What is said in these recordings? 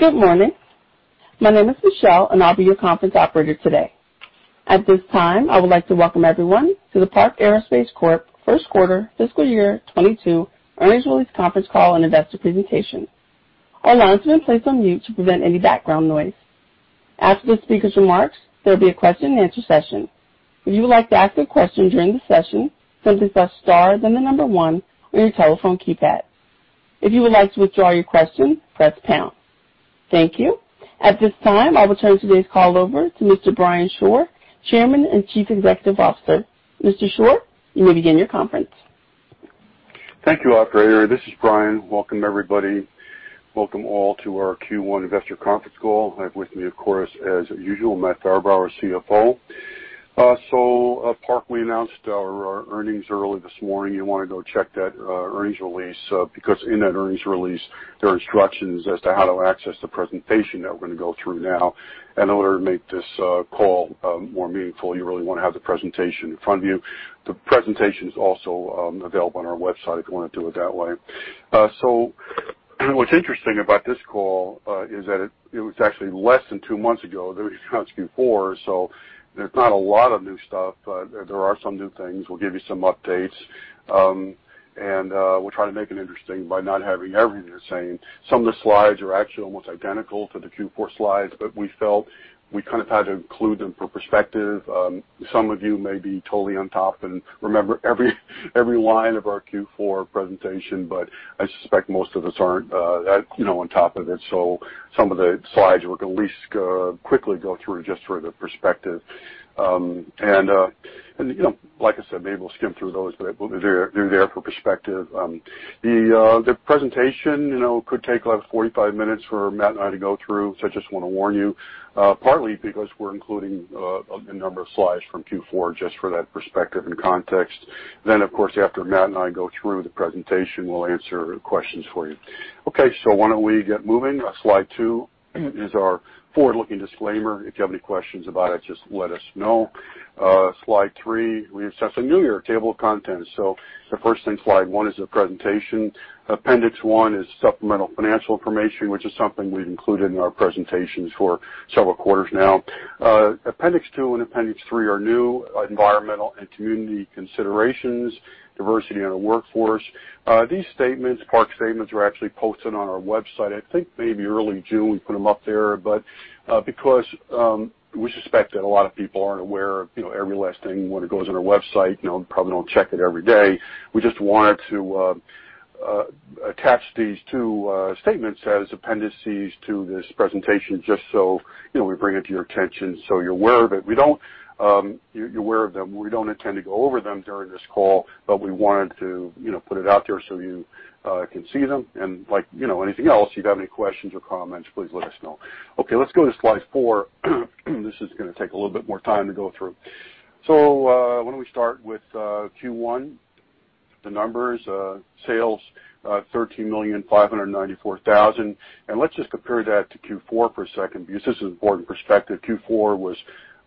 Good morning. My name is Michelle, and I'll be your conference operator today. At this time, I would like to welcome everyone to the Park Aerospace Corp First Quarter Fiscal Year 2022 Earnings Release Conference Call and Investor Presentation. All lines have been placed on mute to prevent any background noise. After the speaker's remarks, there'll be a question and answer session. If you would like to ask a question during the session, simply press star, then the number one on your telephone keypad. If you would like to withdraw your question, press pound. Thank you. At this time, I will turn today's call over to Mr. Brian Shore, Chairman and Chief Executive Officer. Mr. Shore, you may begin your conference. Thank you, operator. This is Brian. Welcome, everybody. Welcome, all to our Q1 Investor Conference Call. I have with me, of course, as usual, Matt Farabaugh, our CFO. At Park, we announced our earnings early this morning. You want to go check that earnings release, because in that earnings release, there are instructions as to how to access the presentation that we're going to go through now. In order to make this call more meaningful, you really want to have the presentation in front of you. The presentation is also available on our website if you want to do it that way. What's interesting about this call is that it was actually less than two months ago that we discussed Q4, so there's not a lot of new stuff, but there are some new things. We'll give you some updates, and we'll try to make it interesting by not having everything the same. Some of the slides are actually almost identical to the Q4 slides, but we felt we kind of had to include them for perspective. Some of you may be totally on top and remember every line of our Q4 presentation, but I suspect most of us aren't on top of it. Some of the slides we're going to at least quickly go through just for the perspective. Like I said, maybe we'll skim through those, but they're there for perspective. The presentation could take about 45 minutes for Matt and I to go through, so I just want to warn you, partly because we're including a number of slides from Q4 just for that perspective and context. Of course, after Matt and I go through the presentation, we'll answer questions for you. Okay. Why don't we get moving? Slide two is our forward-looking disclaimer. If you have any questions about it, just let us know. Slide three, we have something new here, table of contents. The first thing, slide one is the presentation. Appendix one is supplemental financial information, which is something we've included in our presentations for several quarters now. Appendix two and appendix three are new, environmental and community considerations, diversity in our workforce. These statements, Park statements, were actually posted on our website. I think maybe early June, we put them up there. Because we suspect that a lot of people aren't aware of every last thing when it goes on our website, probably don't check it every day, we just wanted to attach these two statements as appendices to this presentation just so we bring it to your attention so you're aware of it. You're aware of them. We don't intend to go over them during this call, but we wanted to put it out there so you can see them. Like anything else, if you have any questions or comments, please let us know. Okay, let's go to slide 4. This is going to take a little bit more time to go through. Why don't we start with Q1? The numbers, sales, $13,594,000. Let's just compare that to Q4 for a second, because this is an important perspective. Q4 was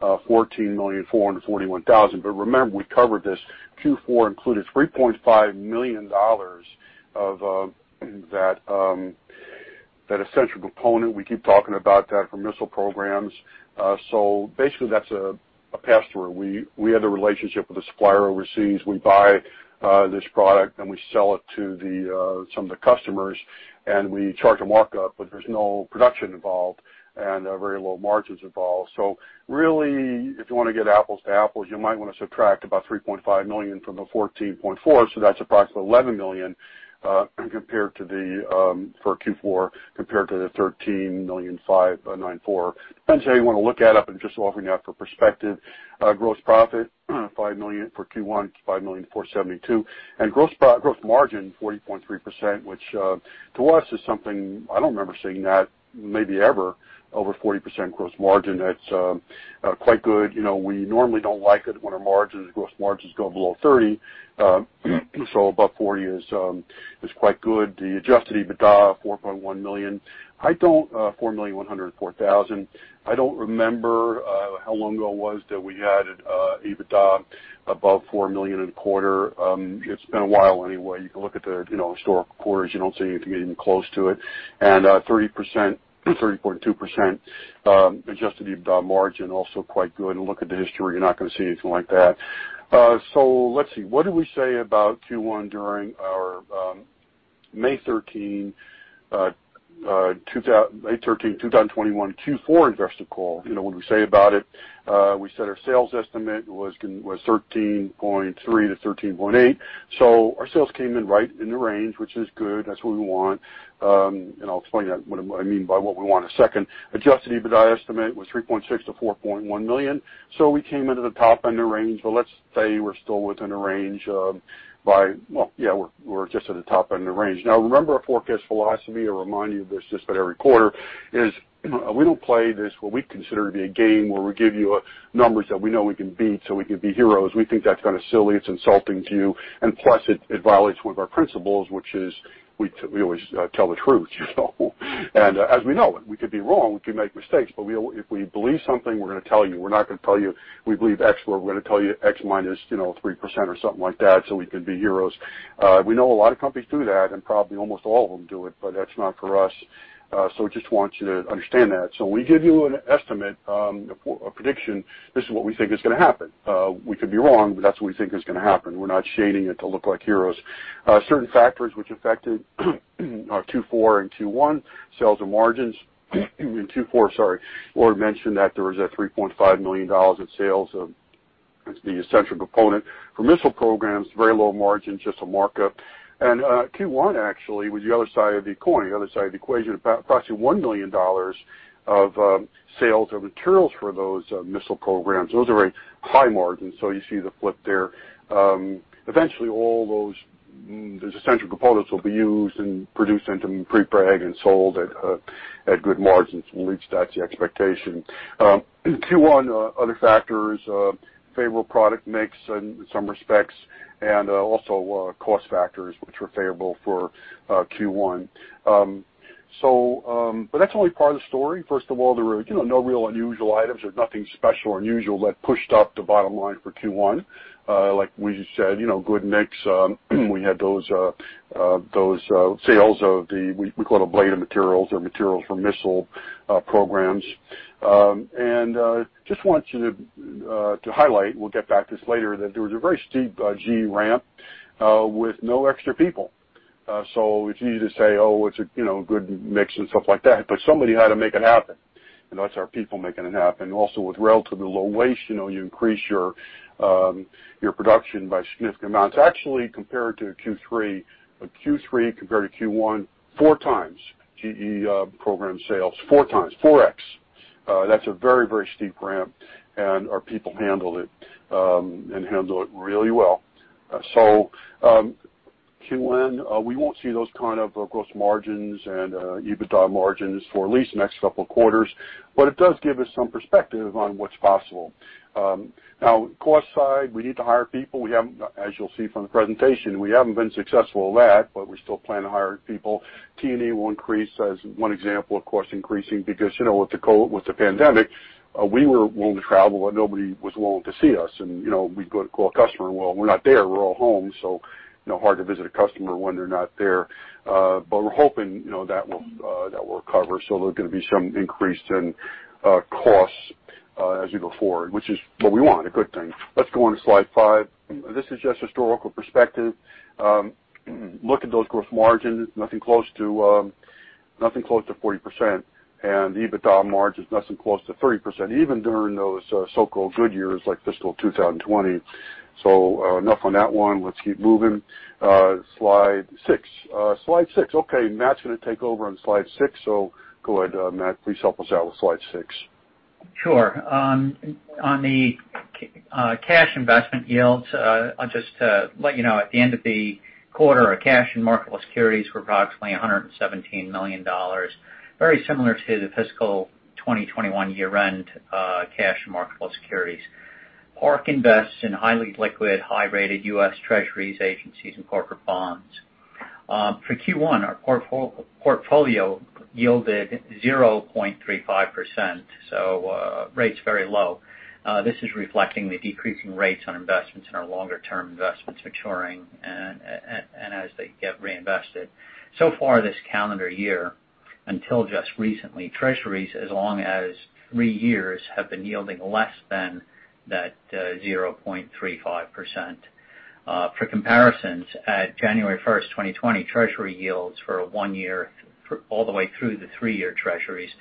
$14,441,000. Remember, we covered this. Q4 included $3.5 million of that essential component. We keep talking about that for missile programs. Basically, that's a pass-through. We have the relationship with a supplier overseas. We buy this product, we sell it to some of the customers, we charge a markup, there's no production involved and very low margins involved. Really, if you want to get apples to apples, you might want to subtract about $3.5 million from the $14.4 million, that's approximately $11 million for Q4 compared to the $13,594,000. Depends how you want to look at it, I'm just offering that for perspective. Gross profit, $5 million for Q1, $5,472,000. Gross margin, 40.3%, which to us is something, I don't remember seeing that maybe ever, over 40% gross margin. That's quite good. We normally don't like it when our gross margins go below 30%, so above 40% is quite good. The adjusted EBITDA, $4,104,000. I don't remember how long ago it was that we had EBITDA above $4 million in a quarter. It's been a while anyway. You can look at the historical quarters, you don't see anything even close to it. 30.2% adjusted EBITDA margin, also quite good. Look at the history, you're not going to see anything like that. Let's see. What did we say about Q1 during our May 13, 2021 Q4 investor call? What did we say about it? We said our sales estimate was $13.3 million-$13.8 million. Our sales came in right in the range, which is good. That's what we want. I'll explain what I mean by what we want in a second. Adjusted EBITDA estimate was $3.6 million-$4.1 million. We came into the top end of range. Let's say we're still within a range. We're just at the top end of range. Remember our forecast philosophy. I remind you of this just about every quarter, is we don't play this what we consider to be a game where we give you numbers that we know we can beat so we can be heroes. We think that's kind of silly. It's insulting to you. Plus, it violates one of our principles, which is we always tell the truth. And as we know, we could be wrong, we can make mistakes. If we believe something, we're going to tell you. We're not going to tell you we believe X, we're going to tell you X -3% or something like that, so we can be heroes. We know a lot of companies do that, and probably almost all of them do it, but that's not for us. Just want you to understand that. When we give you an estimate, a prediction, this is what we think is going to happen. We could be wrong, but that's what we think is going to happen. We're not shading it to look like heroes. Certain factors which affected our Q4 and Q1 sales and margins. In Q4, sorry, [Lloyd] mentioned that there was that $3.5 million in sales of the essential component for missile programs, very low margin, just a markup. Q1 actually was the other side of the coin, the other side of the equation, approximately $1 million of sales of materials for those missile programs. Those are very high margins, so you see the flip there. Eventually, all those essential components will be used and produced into prepreg and sold at good margins. At least, that's the expectation. Q1, other factors, favorable product mix in some respects, and also cost factors which were favorable for Q1. That's only part of the story. First of all, there were no real unusual items. There's nothing special or unusual that pushed up the bottom line for Q1. Like we just said, good mix. We had those sales of the, we call it a blade of materials or materials for missile programs. Just want you to highlight, we'll get back to this later, that there was a very steep GE ramp with no extra people. It's easy to say, oh, it's a good mix and stuff like that, but somebody had to make it happen, and that's our people making it happen. Also with relatively low waste, you increase your production by significant amounts. Actually compared to Q3 compared to Q1, 4x GE program sales, 4x. That's a very, very steep ramp and our people handled it really well. Q1, we won't see those kind of gross margins and EBITDA margins for at least the next couple of quarters, but it does give us some perspective on what's possible. Cost side, we need to hire people. As you'll see from the presentation, we haven't been successful at that, but we still plan to hire people. T&E will increase as one example of costs increasing because, with the pandemic, we were willing to travel, but nobody was willing to see us. We'd go to call a customer, well, we're not there, we're all home, so hard to visit a customer when they're not there. We're hoping that will cover, so there's going to be some increase in costs as we go forward, which is what we want, a good thing. Let's go on to slide f[ive. This is just historical perspective. Look at those growth margins, nothing close to 40%, and EBITDA margins nothing close to 30%, even during those so-called good years like fiscal 2020. Enough on that one. Let's keep moving. Slide six. Slide six. Okay, Matt's going to take over on slide six, so go ahead, Matt, please help us out with slide six. Sure. On the cash investment yields, just to let you know, at the end of the quarter, our cash and marketable securities were approximately $117 million. Very similar to the fiscal 2021 year-end cash and marketable securities. Park invests in highly liquid, high-rated U.S. Treasuries, agencies, and corporate bonds. For Q1, our portfolio yielded 0.35%, rate's very low. This is reflecting the decreasing rates on investments and our longer-term investments maturing, and as they get reinvested. Far this calendar year, until just recently, Treasuries, as long as 3 years, have been yielding less than that 0.35%. For comparisons, at January 1st, 2020, Treasury yields for one year all the way through the three-year Treasuries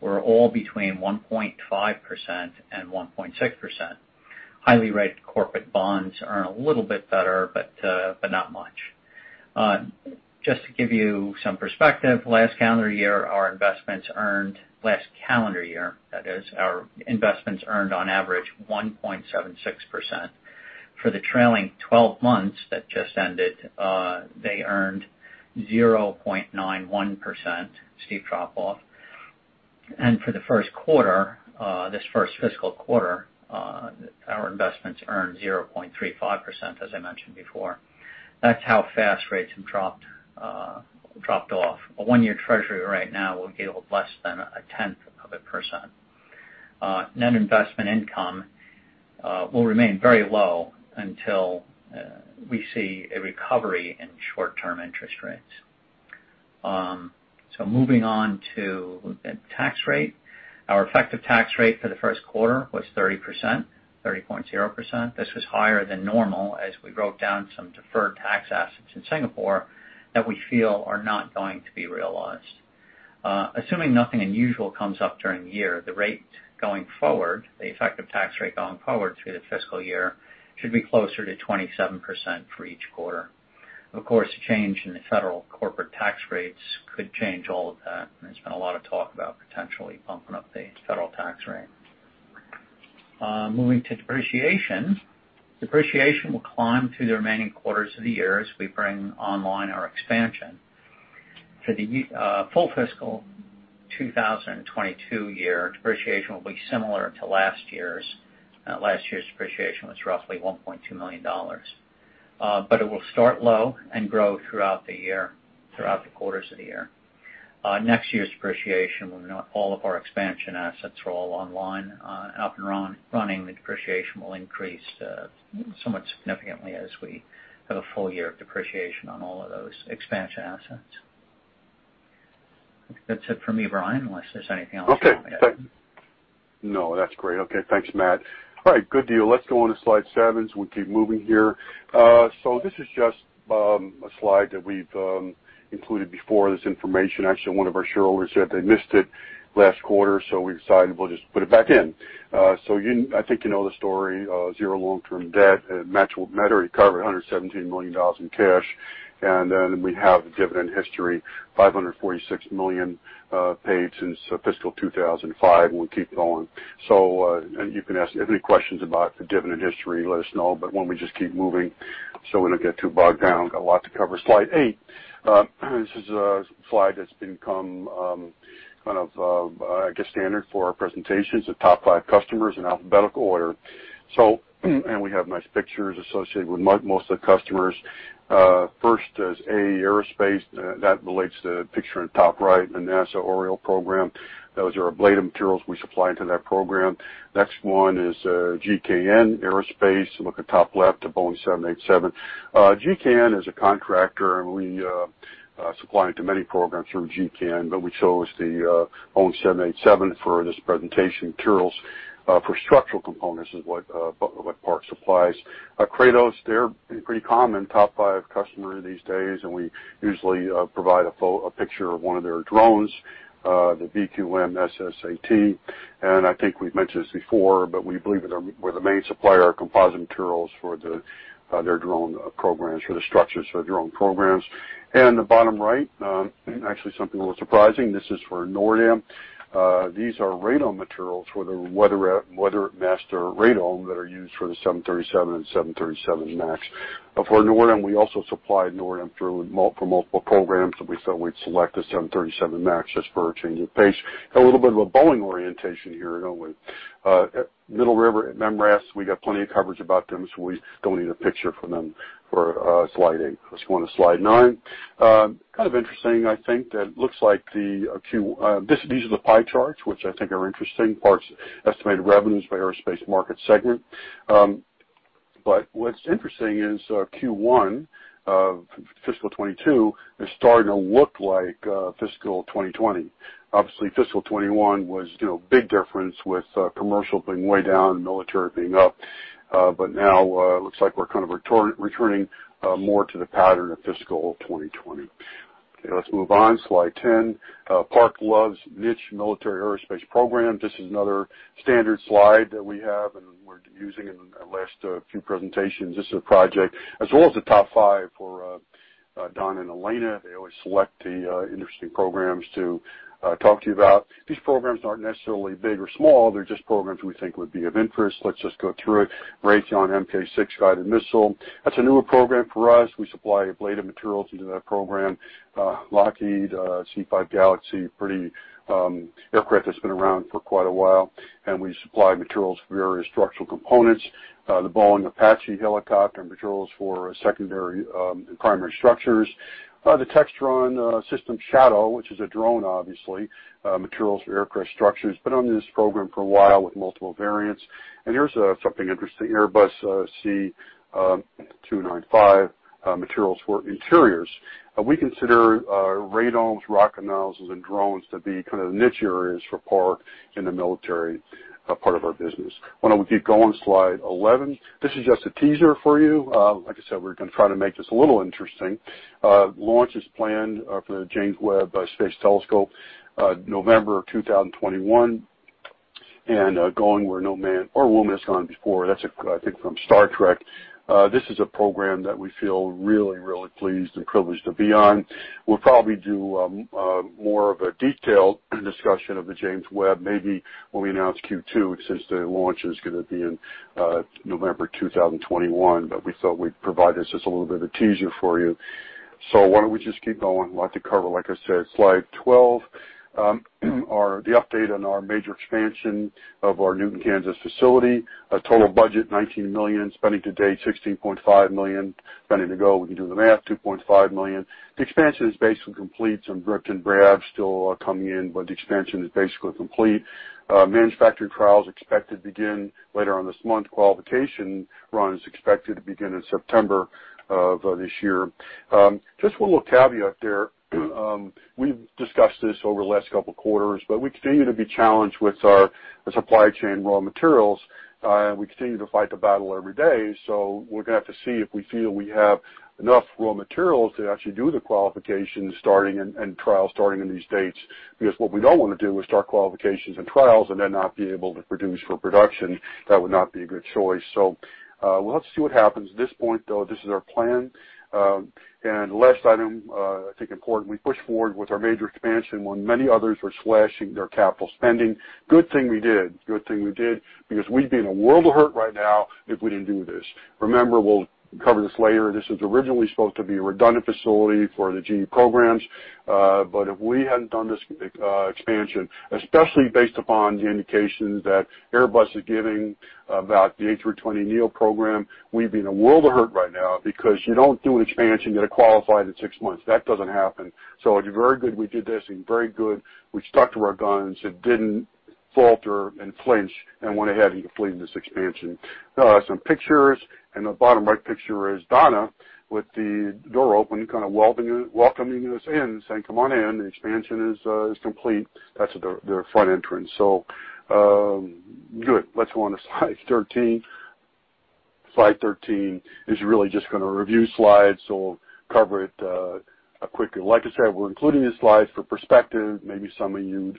were all between 1.5% and 1.6%. Highly rated corporate bonds earn a little bit better, not much. Just to give you some perspective, last calendar year, our investments earned on average 1.76%. For the trailing 12 months that just ended, they earned 0.91% steep drop-off. For the first fiscal quarter, our investments earned 0.35%, as I mentioned before. That's how fast rates have dropped off. A on-year Treasury right now will yield less than a tenth of a percent. Net investment income will remain very low until we see a recovery in short-term interest rates. Moving on to tax rate. Our effective tax rate for the first quarter was 30.0%. This was higher than normal as we wrote down some deferred tax assets in Singapore that we feel are not going to be realized. Assuming nothing unusual comes up during the year, the rate going forward, the effective tax rate going forward through the fiscal year should be closer to 27% for each quarter. Of course, a change in the federal corporate tax rates could change all of that, and there's been a lot of talk about potentially bumping up the federal tax rate. Moving to depreciation. Depreciation will climb through the remaining quarters of the year as we bring online our expansion. For the full fiscal 2022 year, depreciation will be similar to last year's. Last year's depreciation was roughly $1.2 million. It will start low and grow throughout the year, throughout the quarters of the year. Next year's depreciation, when all of our expansion assets are all online, up and running, the depreciation will increase somewhat significantly as we have a full year of depreciation on all of those expansion assets. That's it for me, Brian, unless there's anything else I can add. Okay. No, that's great. Okay, thanks, Matt. All right. Good deal. Let's go on to slide seven as we keep moving here. This is just a slide that we've included before, this information. Actually, one of our shareholders said they missed it last quarter, so we decided we'll just put it back in. I think you know the story, zero long-term debt, match what matter, we recovered $117 million in cash. We have dividend history, $546 million paid since fiscal 2005, and we keep going. You can ask any questions about the dividend history, let us know. Why don't we just keep moving so we don't get too bogged down. Got a lot to cover. Slide eight. This is a slide that's become kind of, I guess, standard for our presentations, the top five customers in alphabetical order. We have nice pictures associated with most of the customers. First is [A. Aerospace]. That relates to the picture on the top right, the NASA Orion program. Those are blade materials we supply to that program. Next one is GKN Aerospace. Look at the top left of Boeing 787. GKN is a contractor, and we supply into many programs through GKN, but we chose the Boeing 787 for this presentation, materials for structural components as Park supplies. Kratos, they're pretty common, top five customer these days, and we usually provide a picture of one of their drones, the BQM SSAT. I think we've mentioned this before, but we believe that we're the main supplier of composite materials for their drone programs, for the structures for their drone programs. The bottom right, actually something a little surprising. This is for NORDAM. These are radome materials for the WeatherMASTER radome that are used for the 737 and 737 MAX. For NORDAM, we also supply NORDAM for multiple programs, but we thought we'd select the 737 MAX just for a change of pace. A little bit of a Boeing orientation here, aren't we? Middle River, MRAS, we got plenty of coverage about them, so we don't need a picture for them for slide eight. Let's go on to slide nine. Kind of interesting, I think, that looks like These are the pie charts, which I think are interesting. Park's estimated revenues by aerospace market segment. What's interesting is Q1 fiscal 2022 is starting to look like fiscal 2020. Obviously, fiscal 2021 was a big difference with commercial being way down and military being up. Now it looks like we're kind of returning more to the pattern of fiscal 2020. Okay, let's move on. Slide 10. Park loves niche military aerospace programs. This is another standard slide that we have, and we're using in the last few presentations. This is a project as well as the top five for Donna and Elena. They always select the interesting programs to talk to you about. These programs aren't necessarily big or small. They're just programs we think would be of interest. Let's just go through it. Raytheon MK VI guided missile. That's a newer program for us. We supply blade materials into that program. Lockheed C-5 Galaxy, pretty aircraft that's been around for quite a while, and we supply materials for various structural components. The Boeing Apache helicopter, materials for secondary, primary structures. The Textron Systems Shadow, which is a drone, obviously, materials for aircraft structures. Been on this program for a while with multiple variants. Here's something interesting, Airbus C295, materials for interiors. We consider radomes, rocket nozzles, and drones to be kind of niche areas for Park in the military part of our business. Why don't we keep going? Slide 11. This is just a teaser for you. Like I said, we're going to try to make this a little interesting. Launch is planned for the James Webb Space Telescope, November 2021. Going where no man or woman's gone before, that's, I think, from Star Trek. This is a program that we feel really pleased and privileged to be on. We'll probably do more of a detailed discussion of the James Webb, maybe when we announce Q2, since the launch is going to be in November 2021. We thought we'd provide just a little bit of a teaser for you. Why don't we just keep going? A lot to cover, like I said. Slide 12. The update on our major expansion of our Newton, Kansas facility. Total budget, $19 million. Spending to date, $16.5 million. Spending to go, we can do the math, $2.5 million. The expansion is basically complete. Some brick and mortar still coming in. The expansion is basically complete. Manufacturing trials expected to begin later on this month. Qualification run is expected to begin in September of this year. Just one little caveat there. We've discussed this over the last couple of quarters. We continue to be challenged with our supply chain raw materials. We continue to fight the battle every day. We're going to have to see if we feel we have enough raw materials to actually do the qualification starting and trials starting in these dates. What we don't want to do is start qualifications and trials and then not be able to produce for production. That would not be a good choice. Let's see what happens. At this point, though, this is our plan. Last item, I think importantly, we pushed forward with our major expansion when many others were slashing their capital spending. Good thing we did. Good thing we did, because we'd be in a world of hurt right now if we didn't do this. Remember, we'll cover this later. This was originally supposed to be a redundant facility for the GE programs. If we hadn't done this expansion, especially based upon the indications that Airbus is giving about the A320neo program, we'd be in a world of hurt right now because you don't do expansion, get qualified in six months. That doesn't happen. It's very good we did this and very good we stuck to our guns and didn't falter and flinch, and went ahead and completed this expansion. Some pictures, in the bottom right picture is Donna with the door open kind of welcoming us in, saying, "Come on in, the expansion is complete." That's their front entrance. Good. Let's go on to slide 13. Slide 13 is really just going to review slides, we'll cover it quickly. Like I said, we're including this slide for perspective. Maybe some of you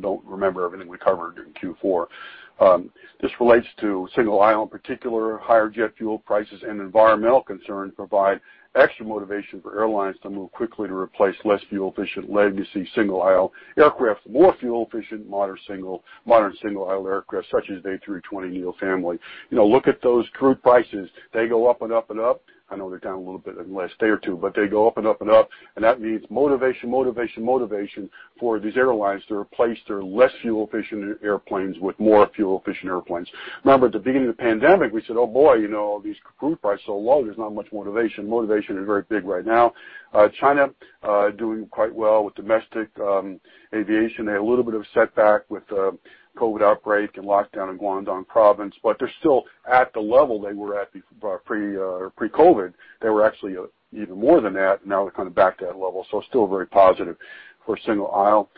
don't remember everything we covered in Q4. This relates to single aisle, in particular, higher jet fuel prices and environmental concerns provide extra motivation for airlines to move quickly to replace less fuel-efficient legacy single-aisle aircraft, more fuel-efficient modern single-aisle aircraft such as A320neo family. Look at those crude prices. They go up and up and up. I know they're down a little bit in the last day or two, they go up and up and up, that means motivation for these airlines to replace their less fuel-efficient airplanes with more fuel-efficient airplanes. Remember, at the beginning of the pandemic, we said, "Oh boy, these crude prices are low. There's not much motivation." Motivation is very big right now. China doing quite well with domestic aviation. They had a little bit of a setback with the COVID outbreak and lockdown in Guangdong province, they're still at the level they were at pre-COVID. They were actually even more than that. Now they're kind of back to that level. Still very positive for single aisle.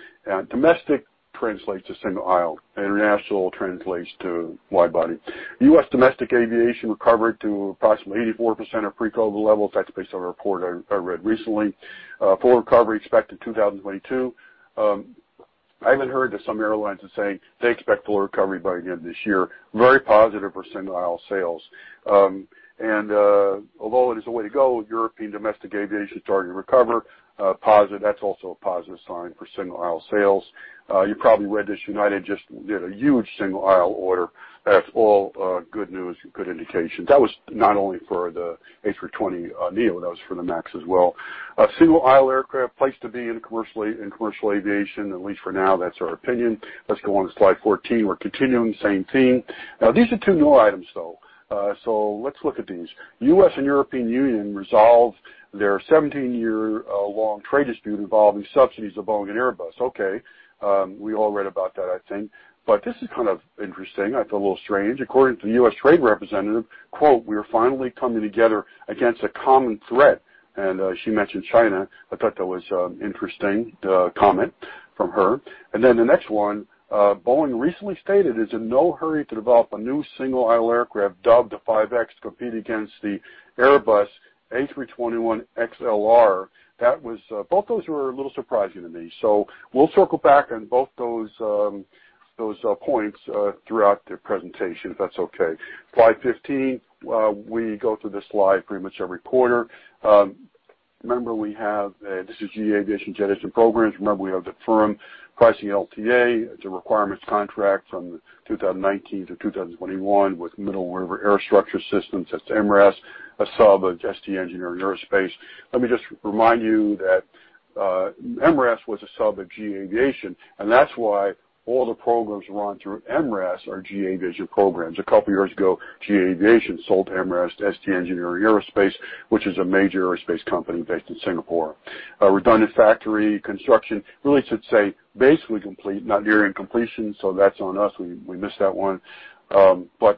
Domestic translates to single aisle. International translates to wide body. U.S. domestic aviation recovered to approximately 84% of pre-COVID levels. That's based on a report I read recently. Full recovery expected 2022. I even heard that some airlines are saying they expect full recovery by the end of this year. Very positive for single-aisle sales. Although it is a way to go, European domestic aviation starting to recover. That's also a positive sign for single-aisle sales. You probably read this, United just did a huge single-aisle order. That's all good news and good indication. That was not only for the A320neo, that was for the MAX as well. Single-aisle aircraft, place to be in commercial aviation, at least for now. That's our opinion. Let's go on to slide 14. We're continuing the same theme. These are two new items, though. Let's look at these. U.S. and European Union resolve their 17-year long trade dispute involving subsidies of Boeing and Airbus. Okay. We all read about that, I think. This is kind of interesting. I feel a little strange. According to the U.S. Trade Representative, quote, 'We are finally coming together against a common threat.' She mentioned China. I thought that was an interesting comment from her. The next one, Boeing recently stated it's in no hurry to develop a new single-aisle aircraft dubbed the 5X to compete against the Airbus A321XLR. Both those were a little surprising to me. We'll circle back on both those points throughout the presentation, if that's okay. Slide 15. We go through this slide pretty much every quarter. This is GE Aviation jet engine programs. Remember, we have the firm pricing LTA. It's a requirements contract from 2019 to 2021 with Middle River Aerostructure Systems, that's MRAS, a sub of ST Engineering Aerospace. Let me just remind you that MRAS was a sub of GE Aviation, and that's why all the programs run through MRAS are GE Aviation programs. A couple of years ago, GE Aviation sold MRAS to ST Engineering Aerospace, which is a major aerospace company based in Singapore. Redundant factory construction. Really should say basically complete, not nearing completion, so that's on us. We missed that one.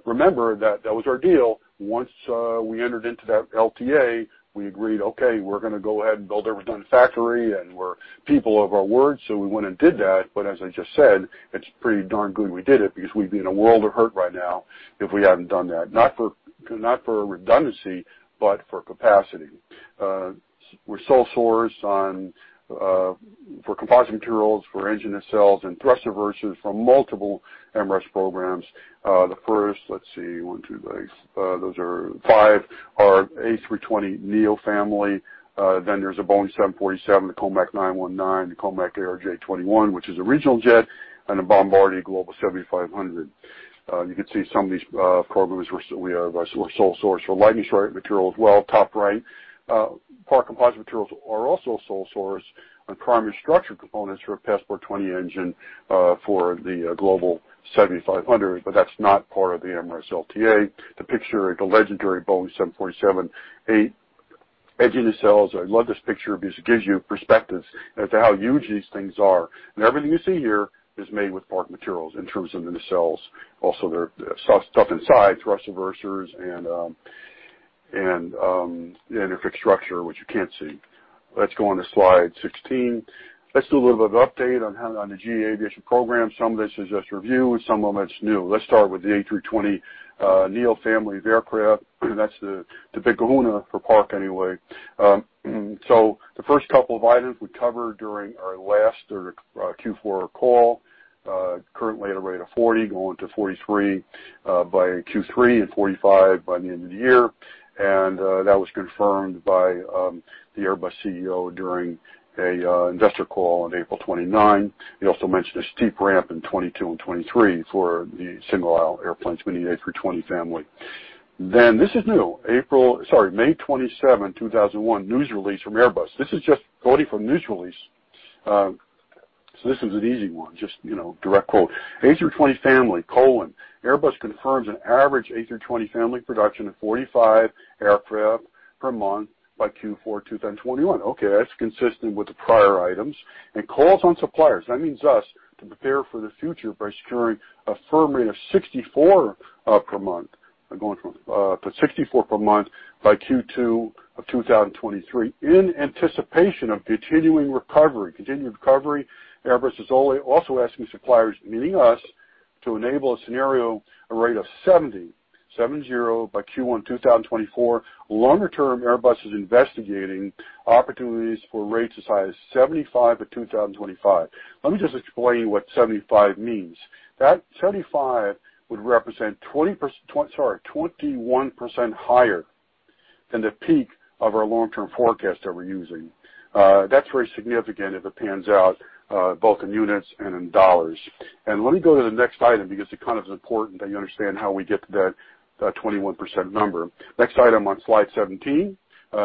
Remember that was our deal. Once we entered into that LTA, we agreed, okay, we're going to go ahead and build a redundant factory, and we're people of our word, so we went and did that. As I just said, it's pretty darn good we did it because we'd be in a world of hurt right now if we hadn't done that. Not for redundancy, but for capacity. We're sole source for composite materials for engine nacelles and thrust reversers from multiple MRAS programs. The first, let see. Those five are A320neo family. There's a Boeing 747, the COMAC C919, the COMAC ARJ21, which is a regional jet, and a Bombardier Global 7500. You can see some of these programs we are sole source for lightning strike materials. Well, top right. Park composite materials are also sole source on primary structure components for a Passport 20 engine for the Global 7500, that's not part of the MRAS LTA. The picture, the legendary Boeing 747-8 Engine Nacelles. I love this picture because it gives you perspective as to how huge these things are. Everything you see here is made with Park materials in terms of the nacelles. Also, there's stuff inside, thrust reversers, and the fixed structure, which you can't see. Let's go on to slide 16. Let's do a little bit of update on the GE Aviation program. Some of this is just review, and some of it's new. Let's start with the A320neo family of aircraft. That's the big kahuna for Park, anyway. The first couple of items we covered during our last or Q4 call. Currently at a rate of 40, going to 43 by Q3 and 45 by the end of the year. That was confirmed by the Airbus CEO during an investor call on April 29th. He also mentioned a steep ramp in 2022 and 2023 for the single-aisle airplanes, meaning the A320 family. This is new. May 27th, 2001, news release from Airbus. This is just quoting from a news release. This is an easy one, just direct quote. A320 family, colon, Airbus confirms an average A320 family production of 45 aircraft per month by Q4 2021. Okay, that's consistent with the prior items, and calls on suppliers, that means us, to prepare for the future by securing a firm rate of 64 per month, by going to 64 per month by Q2 of 2023, in anticipation of continuing recovery. Continued recovery, Airbus is also asking suppliers, meaning us, to enable a scenario, a rate of 70, seven-zero, by Q1 2024. Longer term, Airbus is investigating opportunities for rates as high as 75 by 2025. Let me just explain what 75 means. That 75 would represent 21% higher than the peak of our long-term forecast that we're using. That's very significant if it pans out, both in units and in dollars. Let me go to the next item, because it kind of is important that you understand how we get to that 21% number. Next item on slide 17.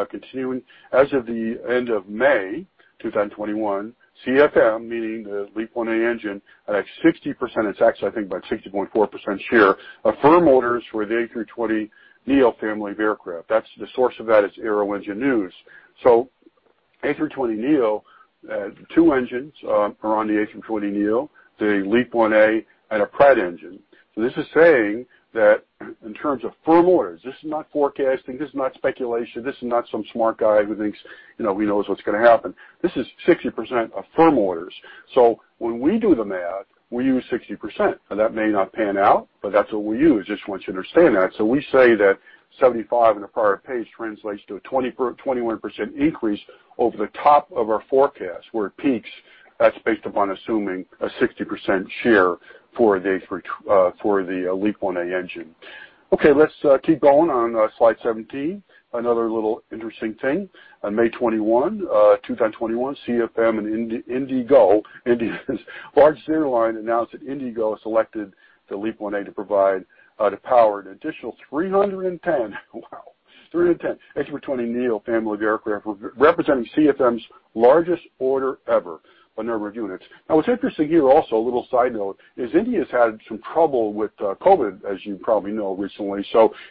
Continuing, as of the end of May 2021, CFM, meaning the LEAP-1A engine, at 60%, it's actually, I think, about 60.4% share, of firm orders for the A320neo family of aircraft. That's the source of that is Aero-Engine News. A320neo, two engines are on the A320neo, the LEAP-1A and a Pratt engine. This is saying that in terms of firm orders, this is not forecasting, this is not speculation, this is not some smart guy who thinks he knows what's going to happen. This is 60% of firm orders. When we do the math, we use 60%. Now, that may not pan out, but that's what we use. Just want you to understand that. We say that 75 on the prior page translates to a 21% increase over the top of our forecast, where it peaks. That's based upon assuming a 60% share for the LEAP-1A engine. Let's keep going on slide 17. Another little interesting thing. On May 21, 2021, CFM and IndiGo, India's largest airline, announced that IndiGo has selected the LEAP-1A to provide the power to an additional 310, wow, 310 A320neo family of aircraft, representing CFM's largest order ever by number of units. What's interesting here, also, a little side note, is India's had some trouble with COVID, as you probably know, recently.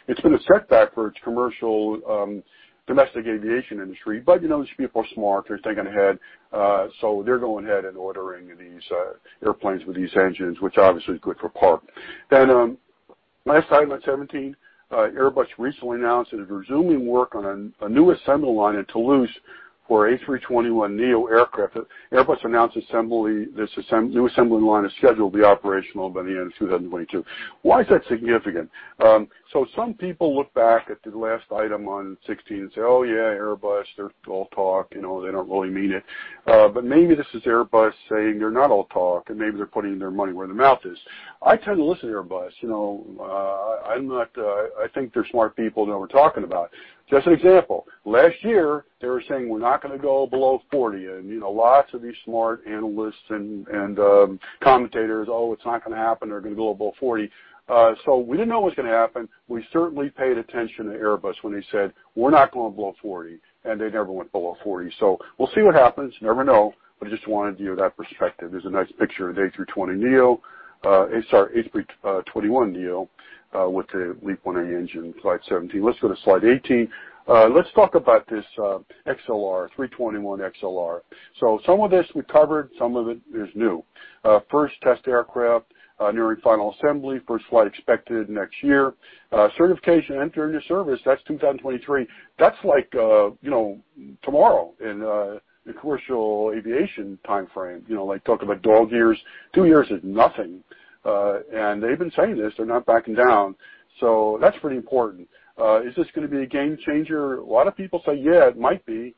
It's been a setback for its commercial domestic aviation industry. These people are smart, they're thinking ahead. They're going ahead and ordering these airplanes with these engines, which obviously is good for Park. Last item on 17, Airbus recently announced that it is resuming work on a new assembly line in Toulouse for A321neo aircraft. Airbus announced this new assembly line is scheduled to be operational by the end of 2022. Why is that significant? Some people look back at the last item on 16 and say, "Oh, yeah, Airbus, they're all talk, they don't really mean it." Maybe this is Airbus saying they're not all talk, and maybe they're putting their money where their mouth is. I tend to listen to Airbus. I think they're smart people, know what we're talking about. Just an example. Last year, they were saying, "We're not going to go below 40." Lots of these smart analysts and commentators, "Oh, it's not going to happen. They're going to go below 40." We didn't know what was going to happen. We certainly paid attention to Airbus when they said, "We're not going below 40," and they never went below 40. We'll see what happens. You never know. I just wanted to give you that perspective. There's a nice picture of the A321neo with the LEAP-1A engine. Slide 17. Let's go to slide 18. Let's talk about this XLR, 321XLR. Some of this we covered, some of it is new. First test aircraft nearing final assembly. First flight expected next year. Certification and entering into service, that's 2023. That's like tomorrow in a commercial aviation timeframe. Like talking about dog years, two years is nothing. They've been saying this, they're not backing down. That's pretty important. Is this going to be a game changer? A lot of people say, yeah, it might be,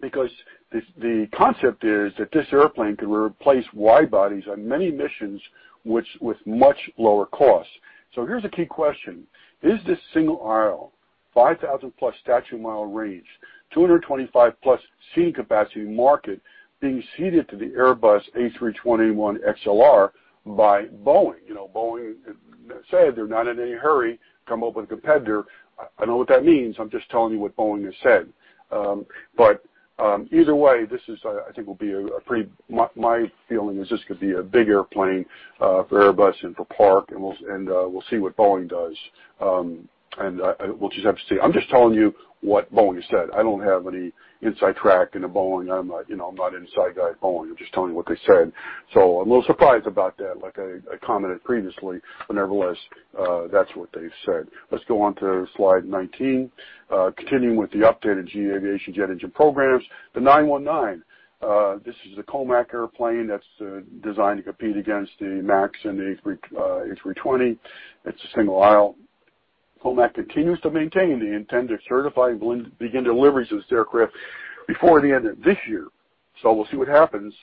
because the concept is that this airplane could replace wide bodies on many missions with much lower cost. Here's a key question. Is this single-aisle, 5,000+ statute mile range, 225+ seat capacity market being ceded to the Airbus A321XLR by Boeing? Boeing said they're not in any hurry to come up with a competitor. I know what that means. I'm just telling you what Boeing has said. Either way, my feeling is this could be a big airplane for Airbus and for Park, and we'll see what Boeing does. We'll just have to see. I'm just telling you what Boeing has said. I don't have any inside track into Boeing. I'm not an inside guy at Boeing. I'm just telling you what they said. I'm a little surprised about that, like I commented previously, but nevertheless, that's what they've said. Let's go on to slide 19. Continuing with the updated GE Aerospace jet engine programs. The 919. This is a COMAC airplane that's designed to compete against the 737 MAX and the A320neo. It's a single aisle. COMAC continues to maintain they intend to certify and begin deliveries of this aircraft before the end of this year. We'll see what happens.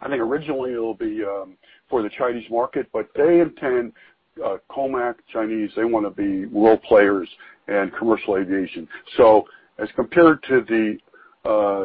I think originally it'll be for the Chinese market, but they intend, COMAC, Chinese, they want to be world players in commercial aviation. As compared to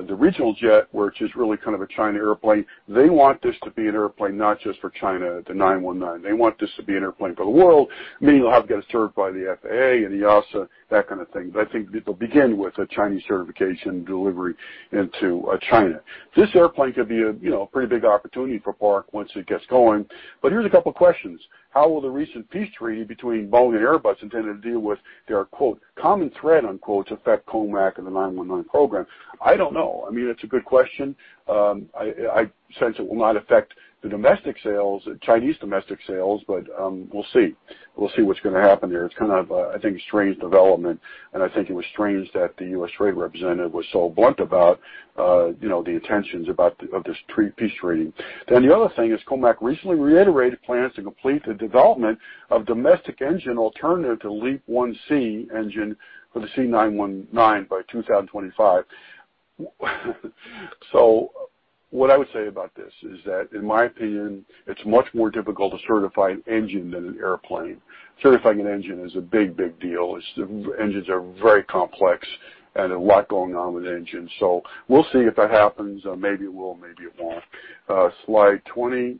the regional jet, which is really kind of a China airplane, they want this to be an airplane, not just for China, the 919. They want this to be an airplane for the world, meaning it'll have to get certified by the FAA and EASA, that kind of thing. I think it'll begin with a Chinese certification delivery into China. This airplane could be a pretty big opportunity for Park once it gets going. Here's a couple questions. How will the recent peace treaty between Boeing and Airbus intended to deal with their, quote, common thread, unquote, affect COMAC and the 919 program? I don't know. It's a good question. I sense it will not affect the Chinese domestic sales, but we'll see. We'll see what's going to happen there. It's kind of, I think, a strange development, and I think it was strange that the U.S. trade representative was so blunt about the intentions of this peace treaty. The other thing is COMAC recently reiterated plans to complete the development of domestic engine alternative to LEAP-1C engine for the C919 by 2025. What I would say about this is that, in my opinion, it's much more difficult to certify an engine than an airplane. Certifying an engine is a big deal. Engines are very complex, and a lot going on with engines. We'll see if that happens. Maybe it will, maybe it won't. Slide 20.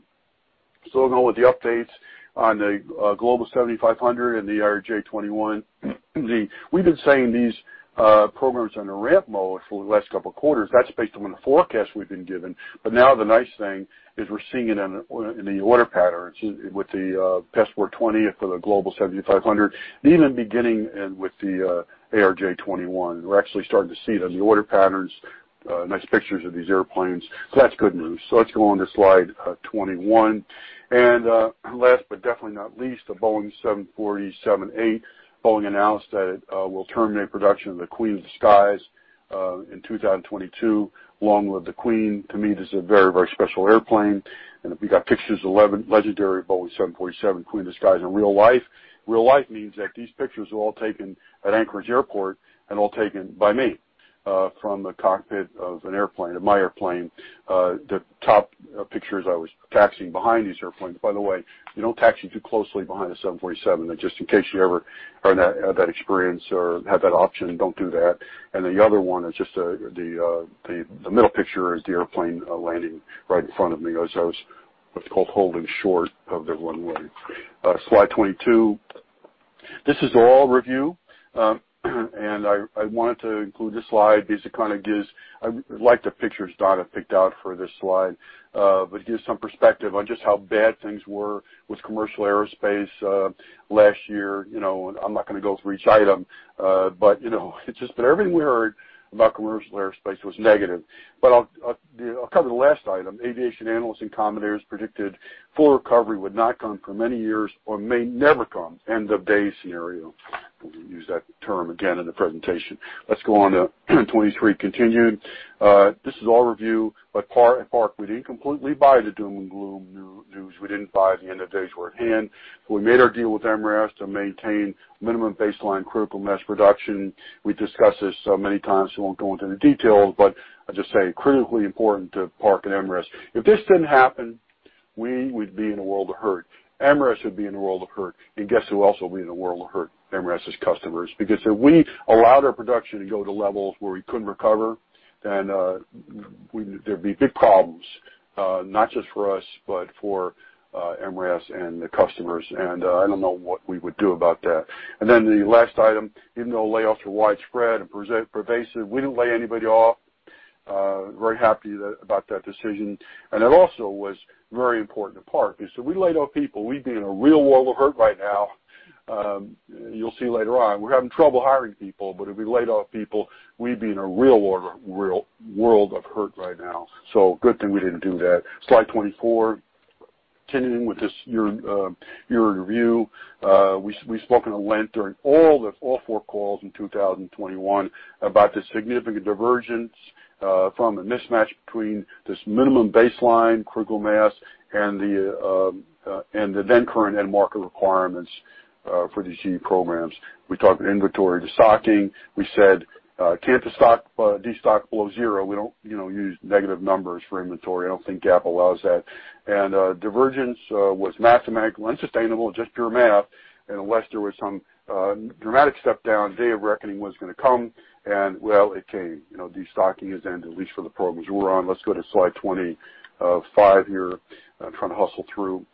Still going with the updates on the Global 7500 and the ARJ21. We've been saying these programs under ramp mode for the last couple quarters. That's based on the forecast we've been given. Now the nice thing is we're seeing it in the order patterns with the Passport 20 for the Global 7500, and even beginning in with the ARJ21. We're actually starting to see it on the order patterns. Nice pictures of these airplanes. That's good news. Let's go on to slide 21. Last, but definitely not least, the Boeing 747-8. Boeing announced that it will terminate production of the Queen of the Skies in 2022. Long live the Queen. To me, this is a very, very special airplane, and we got pictures, legendary Boeing 747, Queen of the Skies in real life. Real life means that these pictures were all taken at Anchorage Airport, and all taken by me from the cockpit of an airplane, of my airplane. The top pictures, I was taxiing behind these airplanes. By the way, you don't taxi too closely behind a 747. Just in case you ever have that experience or have that option, don't do that. The other one is just the middle picture is the airplane landing right in front of me as I was, what's called holding short of the runway. Slide 22. This is all review, and I wanted to include this slide because it kind of gives. I like the pictures Donna picked out for this slide. It gives some perspective on just how bad things were with commercial aerospace last year. I'm not going to go through each item. It's just that everything we heard about commercial aerospace was negative. I'll cover the last item. Aviation analysts and commentators predicted full recovery would not come for many years or may never come. End-of-day scenario. We'll use that term again in the presentation. Let's go on to 23, continuing. This is all review. At Park, we didn't completely buy the doom and gloom news. We didn't buy the end-of-days were at hand. We made our deal with MRAS to maintain minimum baseline critical mass production. We've discussed this so many times. I won't go into the details. I'll just say critically important to Park and MRAS. If this didn't happen, we would be in a world of hurt. MRAS would be in a world of hurt. Guess who else will be in a world of hurt? MRAS's customers. If we allowed our production to go to levels where we couldn't recover, there'd be big problems, not just for us, for MRAS and the customers. I don't know what we would do about that. The last item, even though layoffs were widespread and pervasive, we didn't lay anybody off. Very happy about that decision. It also was very important to Park because if we laid off people, we'd be in a real world of hurt right now. You'll see later on, we're having trouble hiring people, if we laid off people, we'd be in a real world of hurt right now. Good thing we didn't do that. Slide 24. Continuing with this year in review. We've spoken at length during all four calls in 2021 about the significant divergence from a mismatch between this minimum baseline critical mass and the then-current end-market requirements for these GE programs. We talked inventory de-stocking. We said can't de-stock below zero. We don't use negative numbers for inventory. I don't think GAAP allows that. Divergence was mathematically unsustainable, just pure math, unless there was some dramatic step down, day of reckoning was going to come, well, it came. De-stocking has ended, at least for the programs we're on. Let's go to slide 25 here. I'm trying to hustle through.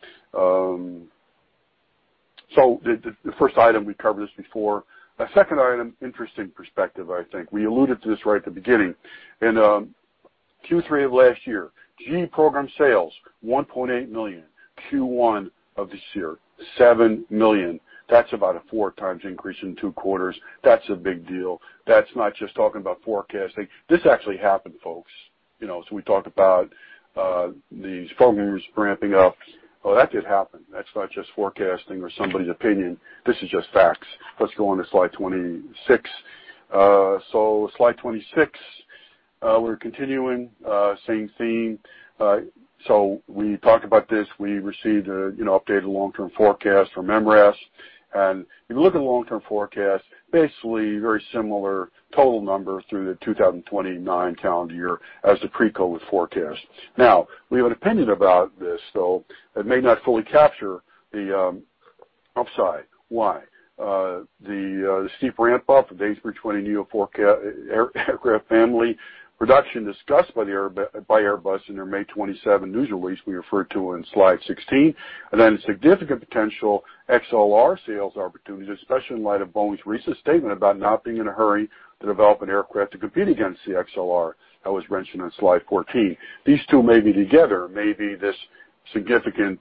The first item, we covered this before. The second item, interesting perspective, I think. We alluded to this right at the beginning. In Q3 of last year, GE program sales, $1.8 million. Q1 of this year, $7 million. That's about a 4x increase in two quarters. That's a big deal. That's not just talking about forecasting. This actually happened, folks. We talked about these programs ramping up. Well, that did happen. That's not just forecasting or somebody's opinion. This is just facts. Let's go on to slide 26. Slide 26. We're continuing, same theme. We talked about this. We received an updated long-term forecast from MRAS. If you look at the long-term forecast, basically very similar total numbers through the 2029 calendar year as the pre-COVID forecast. We have an opinion about this, though. It may not fully capture the upside. Why? The steep ramp up of the A320neo aircraft family production discussed by Airbus in their May 27 news release we referred to in slide 16. Significant potential XLR sales opportunities, especially in light of Boeing's recent statement about not being in a hurry to develop an aircraft to compete against the XLR that was mentioned on slide 14. These two may be together, this significant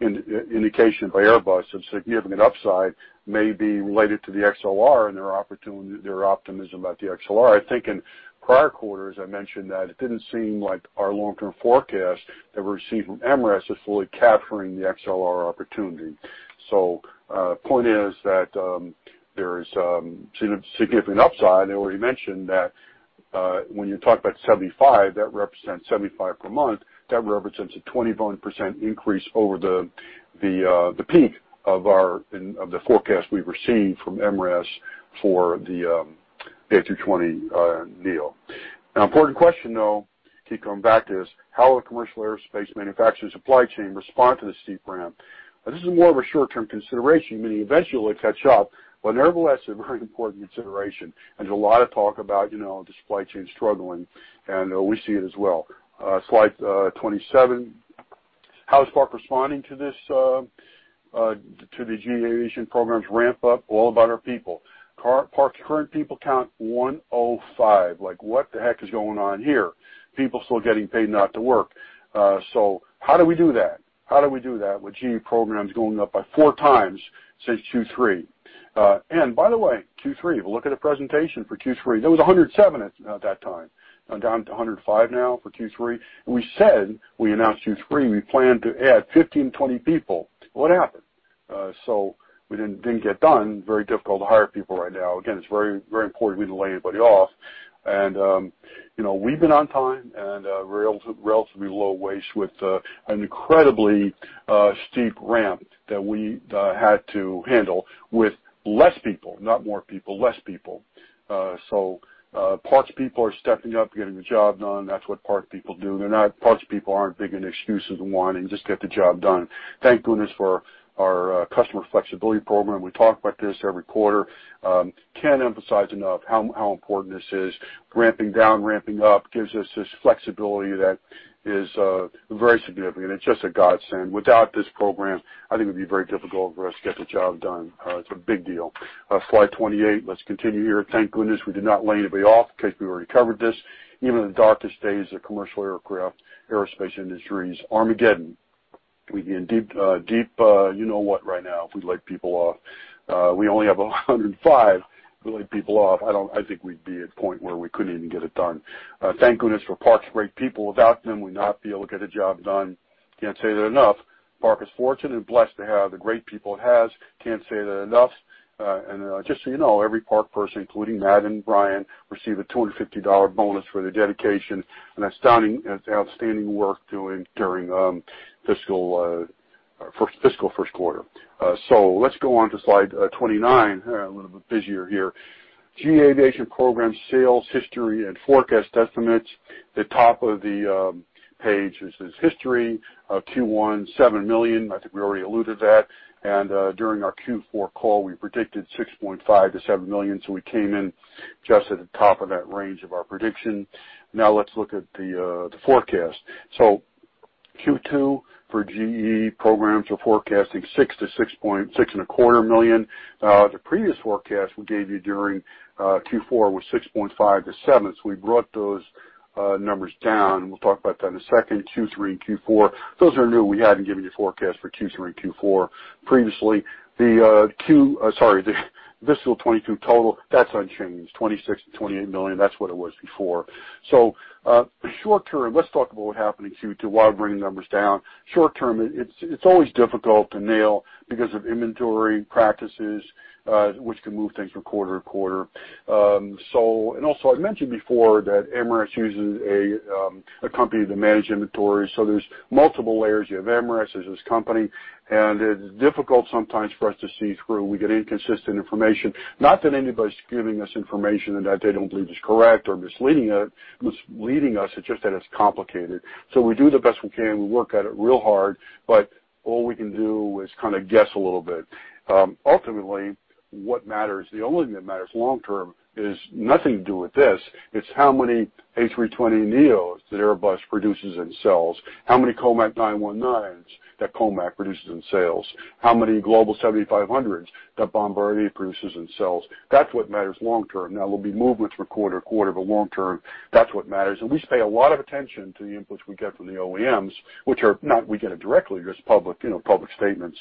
indication by Airbus of significant upside may be related to the XLR and their optimism about the XLR. I think in prior quarters, I mentioned that it didn't seem like our long-term forecast that we received from MRAS is fully capturing the XLR opportunity. Point is that there's significant upside. I already mentioned that, when you talk about 75, that represents 75 per month. That represents a 21% increase over the peak of the forecast we've received from MRAS for the A320neo. An important question, though, keep coming back to this, how will the commercial aerospace manufacturing supply chain respond to the steep ramp? This is more of a short-term consideration, meaning eventually it'll catch up, but nevertheless, a very important consideration. There's a lot of talk about the supply chain struggling, and we see it as well. Slide 27. How is Park responding to the GE Aviation program's ramp-up? All about our people. Park's current people count, 105. Like, what the heck is going on here. People still getting paid not to work. How do we do that? How do we do that with GE programs going up by 4x since Q3? By the way, Q3, if you look at the presentation for Q3, there was 107 at that time, down to 105 now for Q3. We said, we announced Q3, we plan to add 15, 20 people. What happened? We didn't get done. Very difficult to hire people right now. Again, it's very important we didn't lay anybody off. We've been on time and relatively low waste with an incredibly steep ramp that we had to handle with less people, not more people, less people. Park's people are stepping up, getting the job done. That's what Park people do. Park's people aren't big into excuses and whining, just get the job done. Thank goodness for our Customer Flexibility Program. We talk about this every quarter. Can't emphasize enough how important this is. Ramping down, ramping up gives us this flexibility that is very significant. It's just a godsend. Without this program, I think it'd be very difficult for us to get the job done. It's a big deal. Slide 28. Let's continue here. Thank goodness we did not lay anybody off because we already covered this. Even in the darkest days of commercial aircraft, aerospace industries, Armageddon. We'd be in deep you-know-what right now if we laid people off. We only have 105. If we laid people off, I think we'd be at a point where we couldn't even get it done. Thank goodness for Park's great people. Without them, we would not be able to get a job done. Can't say that enough. Park is fortunate and blessed to have the great people it has. Can't say that enough. Just so you know, every Park person, including Matt and Brian, received a $250 bonus for their dedication and outstanding work during fiscal first quarter. Let's go on to slide 29. A little bit busier here. GE Aviation program sales history and forecast estimates. The top of the page, this is history. Q1, $7 million. I think we already alluded that. During our Q4 call, we predicted $6.5 million-$7 million. We came in just at the top of that range of our prediction. Now let's look at the forecast. Q2 for GE programs, we're forecasting $6 million-$6.25 million. The previous forecast we gave you during Q4 was $6.5 million-$7 million. We brought those numbers down, and we'll talk about that in a second. Q3 and Q4, those are new. We haven't given you forecasts for Q3 and Q4 previously. Fiscal 2022 total, that's unchanged, $26 million-$28 million. That's what it was before. Short term, let's talk about what happened in Q2, why we're bringing numbers down. Short term, it's always difficult to nail because of inventory practices, which can move things from quarter to quarter. Also, I mentioned before that MRAS uses a company to manage inventory. There's multiple layers. You have MRAS, there's this company, it's difficult sometimes for us to see through. We get inconsistent information. Not that anybody's giving us information that they don't believe is correct or misleading us, it's just that it's complicated. We do the best we can. We work at it real hard, all we can do is kind of guess a little bit. Ultimately, what matters, the only thing that matters long term is nothing to do with this. It's how many A320neos that Airbus produces and sells. How many COMAC 919s that COMAC produces and sells. How many Global 7500s that Bombardier produces and sells. That's what matters long term. Now, there'll be movements from quarter to quarter, but long term, that's what matters. We pay a lot of attention to the inputs we get from the OEMs, which are not, we get it directly, just public statements.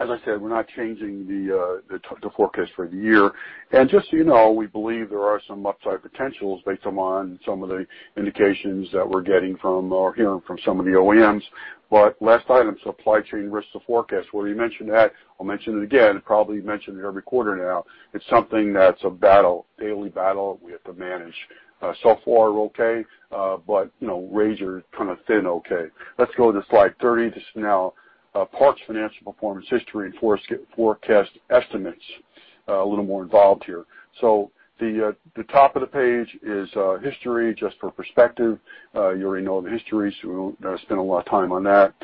As I said, we're not changing the forecast for the year. Just so you know, we believe there are some upside potentials based on some of the indications that we're getting from or hearing from some of the OEMs. Last item, supply chain risks to forecast. We already mentioned that. I'll mention it again. Probably mentioned it every quarter now. It's something that's a daily battle we have to manage. So far, we're okay, but razor thin okay. Let's go to slide 30. This is now Park's financial performance history and forecast estimates. A little more involved here. The top of the page is history, just for perspective. You already know the history, so we don't spend a lot of time on that.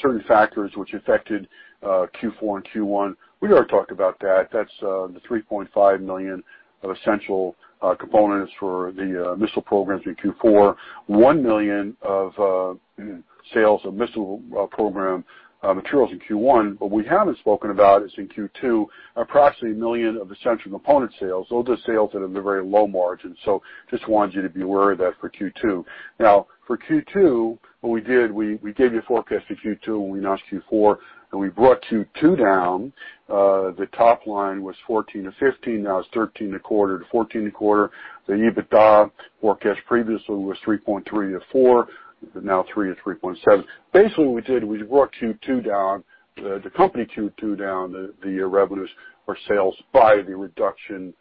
Certain factors which affected Q4 and Q1, we already talked about that. That's the $3.5 million of essential components for the missile programs in Q4. $1 million of sales of missile program materials in Q1. What we haven't spoken about is in Q2, approximately $1 million of essential component sales. Those are sales that are at a very low margin. Just wanted you to be aware of that for Q2. Now, for Q2, what we did, we gave you a forecast for Q2 when we announced Q4, and we brought Q2 down. The top line was $14-$15, now it's $13.25-$14.25. The EBITDA forecast previously was $3.3-$4, now $3-$3.7. Basically what we did, we brought Q2 down, the company Q2 down, the revenues or sales by the reduction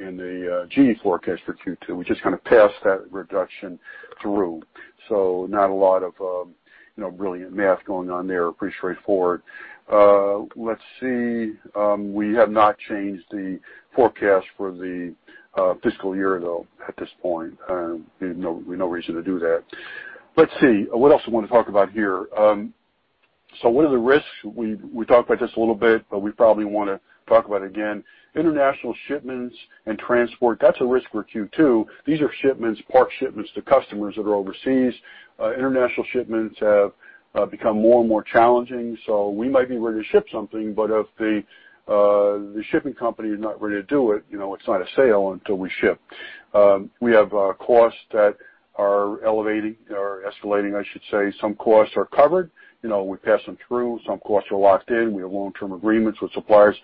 in the GE forecast for Q2. We just kind of passed that reduction through. Not a lot of brilliant math going on there, pretty straightforward. Let's see. We have not changed the forecast for the fiscal year, though, at this point. No reason to do that. Let's see, what else I want to talk about here? What are the risks? We talked about this a little bit, but we probably want to talk about it again. International shipments and transport, that's a risk for Q2. These are shipments, Park shipments to customers that are overseas. International shipments have become more and more challenging. We might be ready to ship something, if the shipping company is not ready to do it's not a sale until we ship. We have costs that are elevating or escalating, I should say. Some costs are covered. We pass them through. Some costs are locked in. We have long-term agreements with suppliers.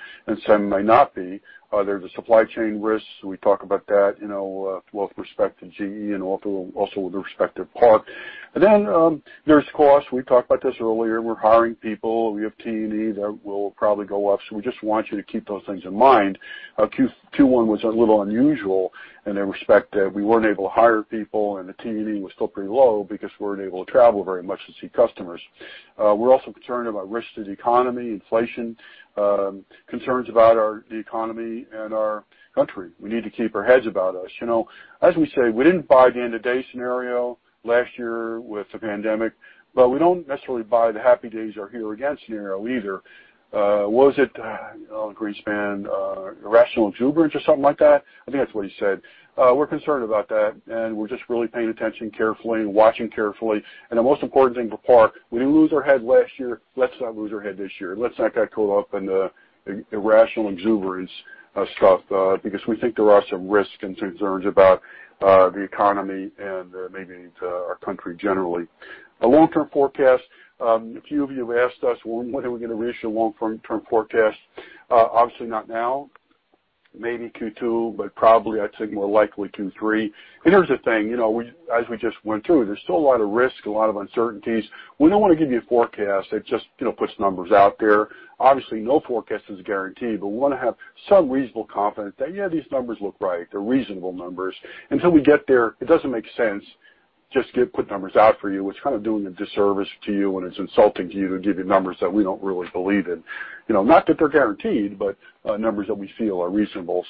Some may not be. There are the supply chain risks. We talk about that with respect to GE and also with respect to Park. Then there's costs. We talked about this earlier. We're hiring people. We have T&E that will probably go up. We just want you to keep those things in mind. Q1 was a little unusual in the respect that we weren't able to hire people, and the T&E was still pretty low because we weren't able to travel very much to see customers. We're also concerned about risks to the economy, inflation, concerns about the economy and our country. We need to keep our heads about us. As we say, we didn't buy the end-of-day scenario last year with the pandemic, but we don't necessarily buy the happy days are here again scenario either. Was it Alan Greenspan, "irrational exuberance" or something like that? I think that's what he said. We're concerned about that, and we're just really paying attention carefully and watching carefully. The most important thing for Park, we didn't lose our head last year. Let's not lose our head this year. Let's not get caught up in the irrational exuberance stuff, because we think there are some risks and concerns about the economy and maybe to our country generally. A long-term forecast. A few of you have asked us, "When are we going to reissue a long-term forecast?" Obviously not now. Maybe Q2, probably, I'd say more likely Q3. Here's the thing, as we just went through, there's still a lot of risk, a lot of uncertainties. We don't want to give you a forecast that just puts numbers out there. Obviously, no forecast is guaranteed, but we want to have some reasonable confidence that, yeah, these numbers look right. They're reasonable numbers. Until we get there, it doesn't make sense just to put numbers out for you. It's kind of doing a disservice to you, and it's insulting to you to give you numbers that we don't really believe in. Not that they're guaranteed, but numbers that we feel are reasonable.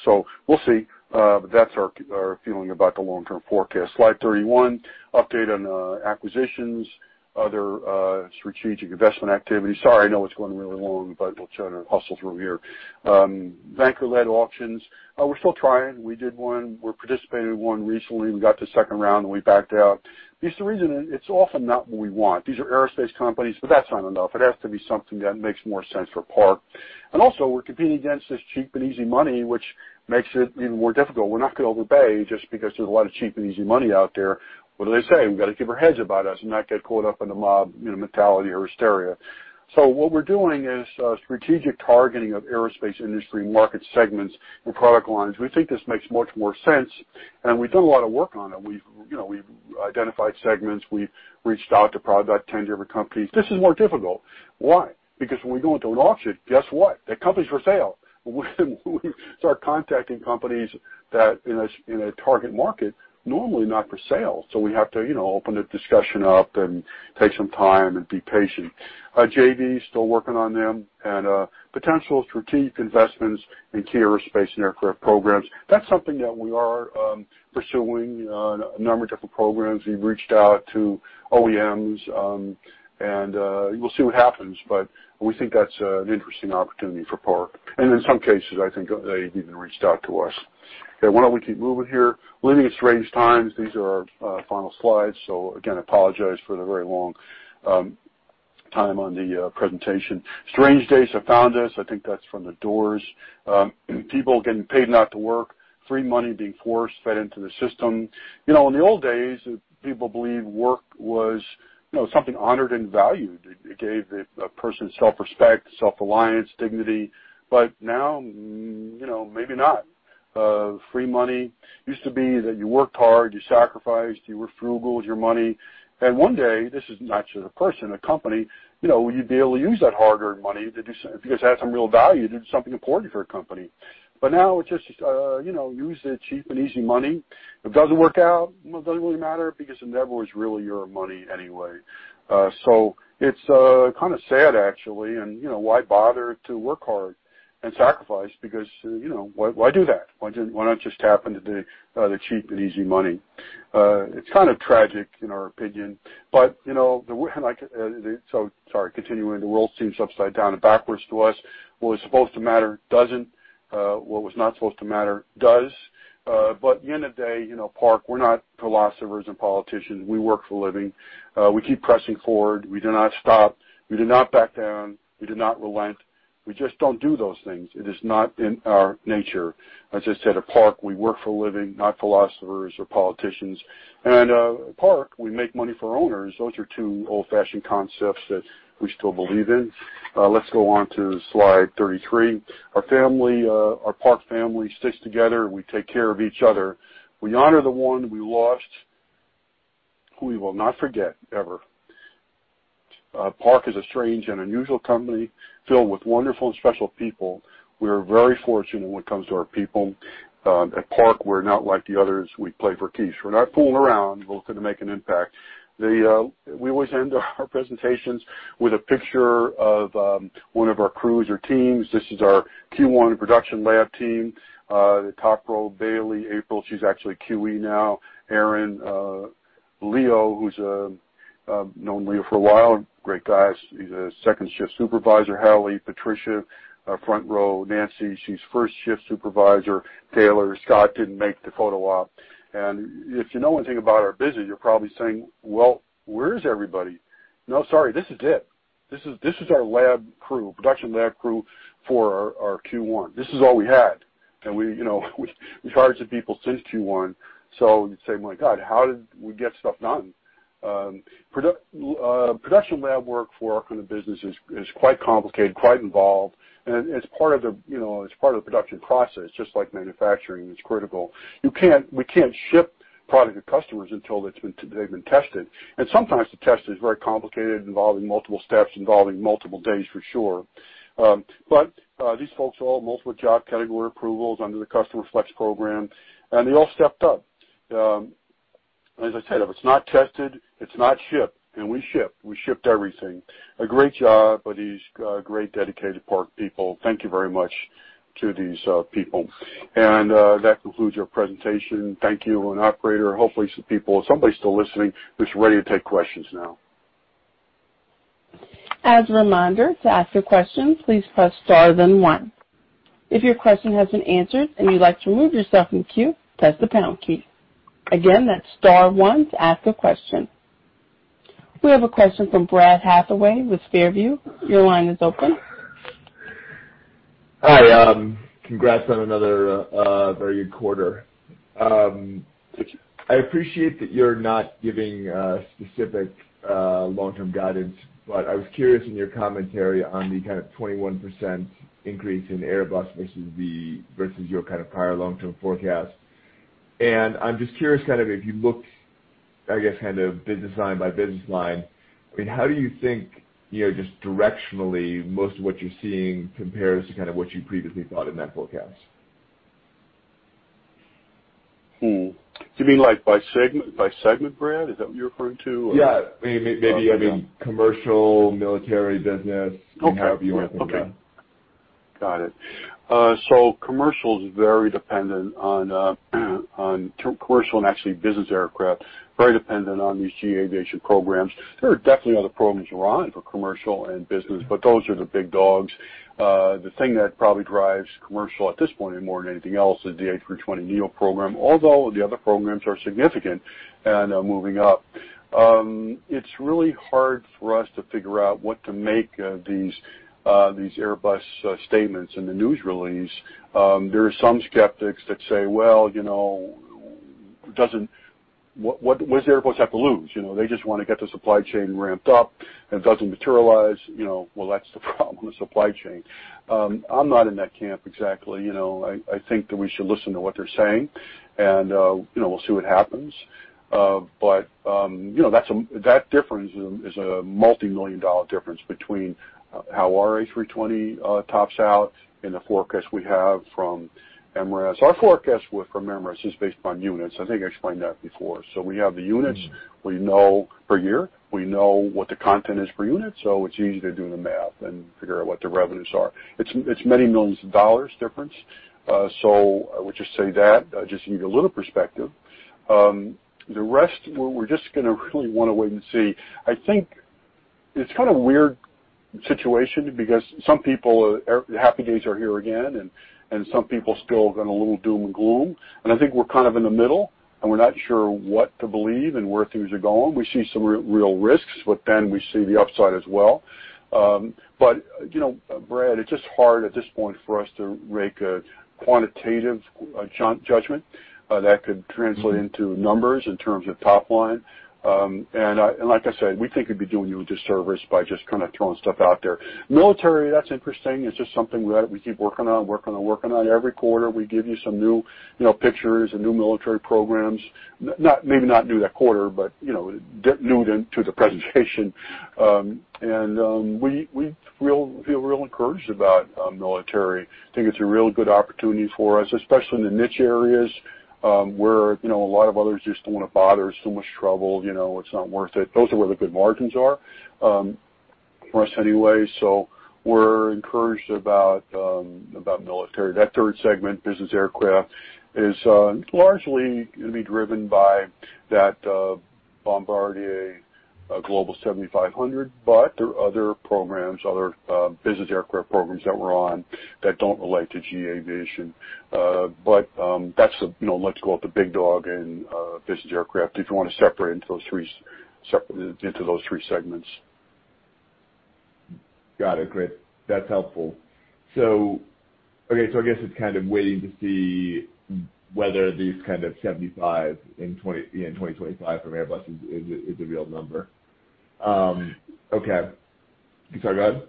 We'll see. That's our feeling about the long-term forecast. Slide 31, update on acquisitions, other strategic investment activity. Sorry, I know it's going really long, let's try to hustle through here. Banker-led auctions. We're still trying. We did one. We participated in one recently. We got to the second round, we backed out. Here's the reason, it's often not what we want. These are aerospace companies, that's not enough. It has to be something that makes more sense for Park. Also, we're competing against this cheap and easy money, which makes it even more difficult. We're not going to overpay just because there's a lot of cheap and easy money out there. What do they say? We've got to keep our heads about us and not get caught up in the mob mentality or hysteria. What we're doing is strategic targeting of aerospace industry market segments and product lines. We think this makes much more sense. We've done a lot of work on it. We've identified segments. We've reached out to probably about 10 different companies. This is more difficult. Why? Because when we go into an auction, guess what? That company's for sale. When we start contacting companies that in a target market, normally not for sale. We have to open the discussion up and take some time and be patient. JVs, still working on them, and potential strategic investments in key aerospace and aircraft programs. That's something that we are pursuing, a number of different programs. We've reached out to OEMs, and we'll see what happens. We think that's an interesting opportunity for Park. In some cases, I think they even reached out to us. Okay, why don't we keep moving here? Living in strange times. These are our final slides. Again, I apologize for the very long time on the presentation. Strange days have found us. I think that's from The Doors. People getting paid not to work, free money being forced, fed into the system. In the old days, people believed work was something honored and valued. It gave a person self-respect, self-reliance, dignity. Now, maybe not. Free money. Used to be that you worked hard, you sacrificed, you were frugal with your money. One day, this is not just a person, a company, you'd be able to use that hard-earned money because it had some real value, you did something important for a company. Now it's just, use the cheap and easy money. If it doesn't work out, it doesn't really matter because it never was really your money anyway. It's kind of sad, actually. Why bother to work hard and sacrifice? Why do that? Why not just tap into the cheap and easy money? It's kind of tragic, in our opinion. Sorry, continuing. The world seems upside down and backwards to us. What was supposed to matter doesn't. What was not supposed to matter does. At the end of the day, Park, we're not philosophers and politicians. We work for a living. We keep pressing forward. We do not stop. We do not back down. We do not relent. We just don't do those things. It is not in our nature. As I said, at Park, we work for a living, not philosophers or politicians. At Park, we make money for owners. Those are two old-fashioned concepts that we still believe in. Let's go on to slide 33. Our Park family sticks together, and we take care of each other. We honor the one we lost, who we will not forget, ever. Park is a strange and unusual company filled with wonderful and special people. We are very fortunate when it comes to our people. At Park, we're not like the others. We play for keeps. We're not fooling around. We're looking to make an impact. We always end our presentations with a picture of one of our crews or teams. This is our Q1 production lab team. The top row, Bailey, April, she's actually QE now. Aaron, Leo, who's known Leo for a while, great guy. He's a second shift supervisor. Hallie, Patricia. Front row, Nancy, she's first shift supervisor. Taylor. Scott didn't make the photo op. If you know anything about our business, you're probably saying, "Well, where is everybody?" No, sorry, this is it. This is our lab crew, production lab crew for our Q1. We've [charged to] people since Q1. You say, "My God, how did we get stuff done?" Production lab work for our kind of business is quite complicated, quite involved, and it's part of the production process, just like manufacturing. It's critical. We can't ship product to customers until they've been tested. Sometimes the test is very complicated, involving multiple steps, involving multiple days, for sure. These folks all have multiple job category approvals under the Customer Flex Program, and they all stepped up. As I said, if it's not tested, it's not shipped, and we ship. We shipped everything. A great job by these great, dedicated Park people. Thank you very much to these people. That concludes our presentation. Thank you. Operator, hopefully some people, somebody's still listening. Just ready to take questions now. As a reminder, to ask a question please press star then one. If your question has been answered and you like to remove yourself in queue, press the pound key. Again that's star one to ask a question. We have a question from Brad Hathaway with Far View. Your line is open. Hi. Congrats on another very good quarter. Thank you. I appreciate that you're not giving specific long-term guidance, but I was curious in your commentary on the kind of 21% increase in Airbus versus your kind of prior long-term forecast. I'm just curious, if you look, I guess, business line by business line, how do you think, just directionally, most of what you're seeing compares to what you previously thought in that forecast? Do you mean by segment, Brad? Is that what you're referring to? Yeah. Maybe commercial, military business. Okay. Got it. Commercial is very dependent on-- Commercial and actually business aircraft, very dependent on these aviation programs. There are definitely other programs we're on for commercial and business, but those are the big dogs. The thing that probably drives commercial at this point more than anything else is the A320neo program, although the other programs are significant and are moving up. It's really hard for us to figure out what to make of these Airbus statements in the news release. There are some skeptics that say, "Well, what does Airbus have to lose? They just want to get the supply chain ramped up, and it doesn't materialize. Well, that's the problem with supply chain." I'm not in that camp exactly. I think that we should listen to what they're saying, and we'll see what happens. That difference is a multimillion-dollar difference between how our A320 tops out and the forecast we have from Emirates. Our forecast with Emirates is based on units. I think I explained that before. We have the units we know per year. We know what the content is per unit, so it's easy to do the math and figure out what the revenues are. It's many millions of dollars difference. I would just say that, just to give you a little perspective. The rest, we're just going to really want to wait and see. I think it's kind of a weird situation because some people are, happy days are here again, and some people still got a little doom and gloom, and I think we're kind of in the middle, and we're not sure what to believe and where things are going. We see some real risks, we see the upside as well. Brad, it's just hard at this point for us to make a quantitative judgment that could translate into numbers in terms of top line. Like I said, we think we'd be doing you a disservice by just kind of throwing stuff out there. Military, that's interesting. It's just something that we keep working on. Every quarter, we give you some new pictures and new military programs. Maybe not new that quarter, new to the presentation. We feel real encouraged about military. I think it's a real good opportunity for us, especially in the niche areas, where a lot of others just don't want to bother. It's too much trouble, it's not worth it. Those are where the good margins are, for us anyway. We're encouraged about military. That third segment, business aircraft, is largely going to be driven by that Bombardier Global 7500. There are other programs, other business aircraft programs that we're on that don't relate to GE Aviation. That's, let's call it the big dog in business aircraft, if you want to separate into those three segments. Got it. Great. That's helpful. Okay. I guess it's kind of waiting to see whether these kind of 75 in 2025 from Airbus is a real number. Okay. Sorry, go ahead.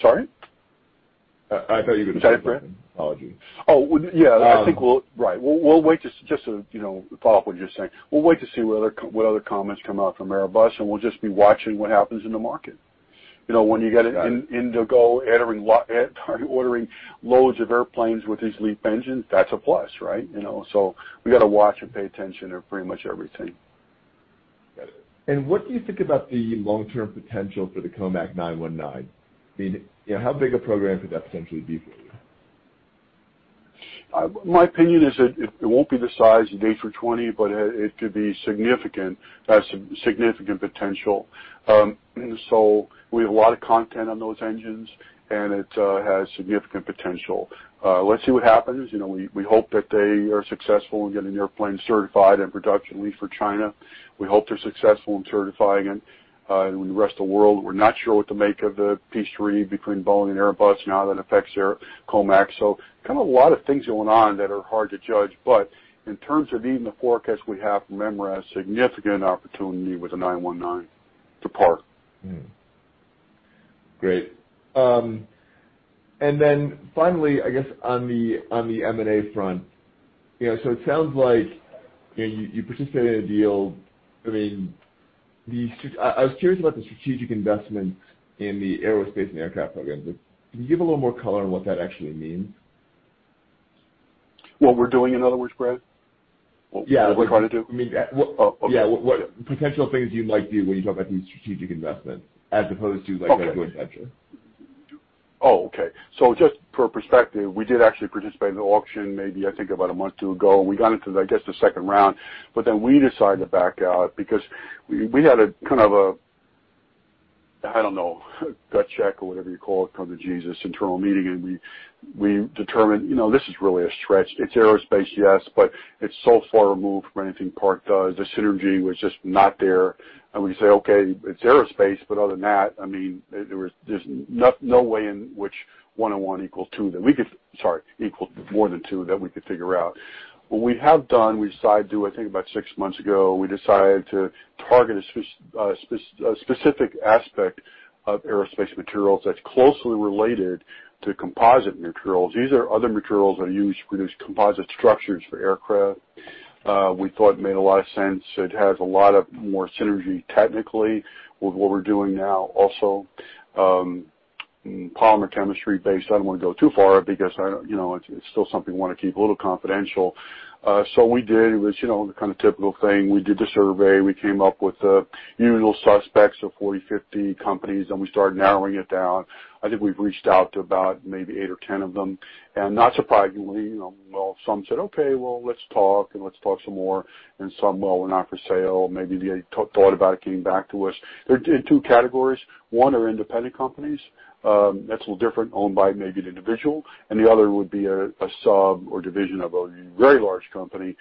Sorry? I thought you were going to- Sorry, Brad? Apologies. Oh, yeah. I think Right. Just to follow up what you're saying. We'll wait to see what other comments come out from Airbus, and we'll just be watching what happens in the market. When you get IndiGo ordering loads of airplanes with these LEAP engines, that's a plus, right? We got to watch and pay attention to pretty much everything. Got it. What do you think about the long-term potential for the COMAC C919? How big a program could that potentially be for you? My opinion is that it won't be the size of A320, but it could be significant. It has significant potential. We have a lot of content on those engines, and it has significant potential. Let's see what happens. We hope that they are successful in getting the airplane certified and production lead for China. We hope they're successful in certifying it in the rest of the world. We're not sure what to make of the peace treaty between Boeing and Airbus and how that affects their COMAC. Kind of a lot of things going on that are hard to judge. In terms of even the forecast we have from MRAS, significant opportunity with the C919 to Park. Great. Finally, I guess on the M&A front, so it sounds like you participated in a deal. I was curious about the strategic investments in the aerospace and aircraft programs. Can you give a little more color on what that actually means? What we're doing, in other words, Brad? Yeah. What we're trying to do? Yeah. What potential things you might do when you talk about these strategic investments as opposed to like a good venture? Just for perspective, we did actually participate in the auction, maybe, I think about a month or two ago, and we got into, I guess, the second round, but then we decided to back out because we had a kind of a, I don't know, gut check or whatever you call it, come to Jesus internal meeting, and we determined, this is really a stretch. It's aerospace, yes, but it's so far removed from anything Park does. The synergy was just not there. We say, okay, it's aerospace, but other than that, there's no way in which one on one equals more than two that we could figure out. What we have done, I think about six months ago, we decided to target a specific aspect of aerospace materials that's closely related to composite materials. These are other materials that are used to produce composite structures for aircraft. We thought it made a lot of sense. It has a lot of more synergy technically with what we're doing now also. Polymer chemistry based, I don't want to go too far because it's still something we want to keep a little confidential. We did, it was the kind of typical thing. We did the survey, we came up with the usual suspects of 40, 50 companies, and we started narrowing it down. I think we've reached out to about maybe eight or 10 of them. Not surprisingly, some said, "Okay, well, let's talk and let's talk some more," and some, "Well, we're not for sale." Maybe they thought about it, came back to us. They're in two categories. One are independent companies, that's a little different, owned by maybe an individual, and the other would be a sub or division of a very large company.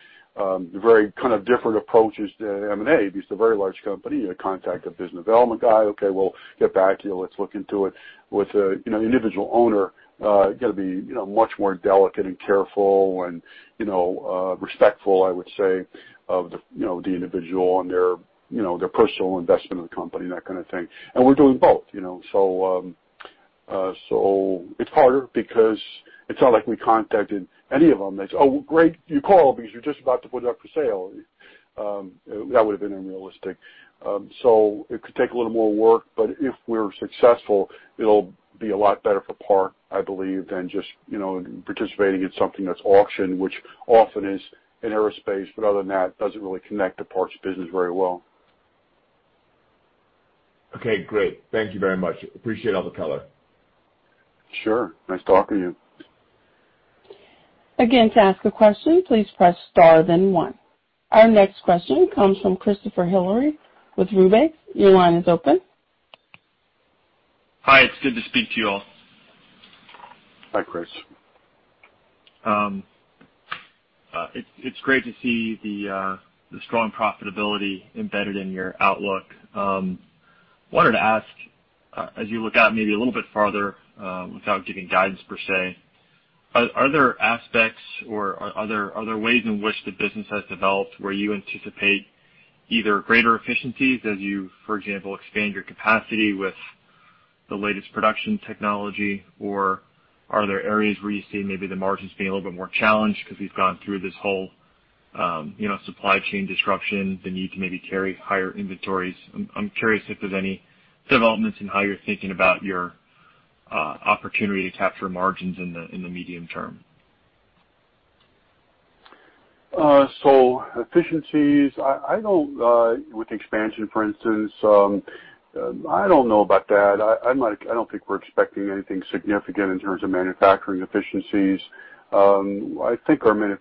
Very kind of different approaches to M&A. At least a very large company, you contact a business development guy, "Okay, we'll get back to you. Let's look into it." With an individual owner, got to be much more delicate and careful and respectful, I would say, of the individual and their personal investment in the company, that kind of thing. We're doing both. It's harder because it's not like we contacted any of them, they said, "Oh, great, you called because you're just about to put it up for sale." That would have been unrealistic. It could take a little more work, but if we're successful, it'll be a lot better for Park, I believe, than just participating in something that's auctioned, which often is in aerospace, but other than that, doesn't really connect to Park's business very well. Okay, great. Thank you very much. Appreciate all the color. Sure. Nice talking to you. Again, to ask a question, please press star then one. Our next question comes from Christopher Hillary with Roubaix. Your line is open. Hi, it's good to speak to you all. Hi, Chris. It's great to see the strong profitability embedded in your outlook. Wanted to ask, as you look out maybe a little bit farther, without giving guidance per se, are there aspects or are there ways in which the business has developed where you anticipate either greater efficiencies as you, for example, expand your capacity with the latest production technology? Are there areas where you see maybe the margins being a little bit more challenged because we've gone through this whole supply chain disruption, the need to maybe carry higher inventories? I'm curious if there's any developments in how you're thinking about your opportunity to capture margins in the medium term. Efficiencies, with expansion, for instance, I don't know about that. I don't think we're expecting anything significant in terms of manufacturing efficiencies. I think we're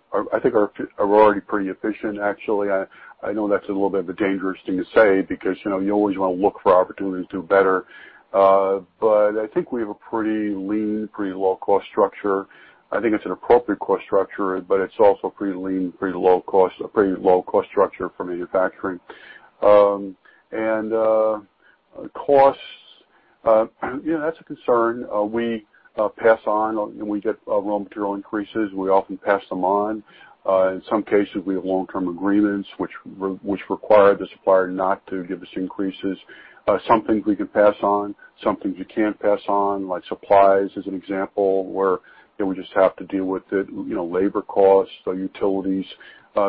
already pretty efficient, actually. I know that's a little bit of a dangerous thing to say because you always want to look for opportunities to do better. I think we have a pretty lean, pretty low cost structure. I think it's an appropriate cost structure, but it's also pretty lean, pretty low cost structure for manufacturing. Costs, that's a concern. We pass on, we get raw material increases, and we often pass them on. In some cases, we have long-term agreements which require the supplier not to give us increases. Some things we can pass on, some things you can't pass on, like supplies as an example, where we just have to deal with it, labor costs, utilities. We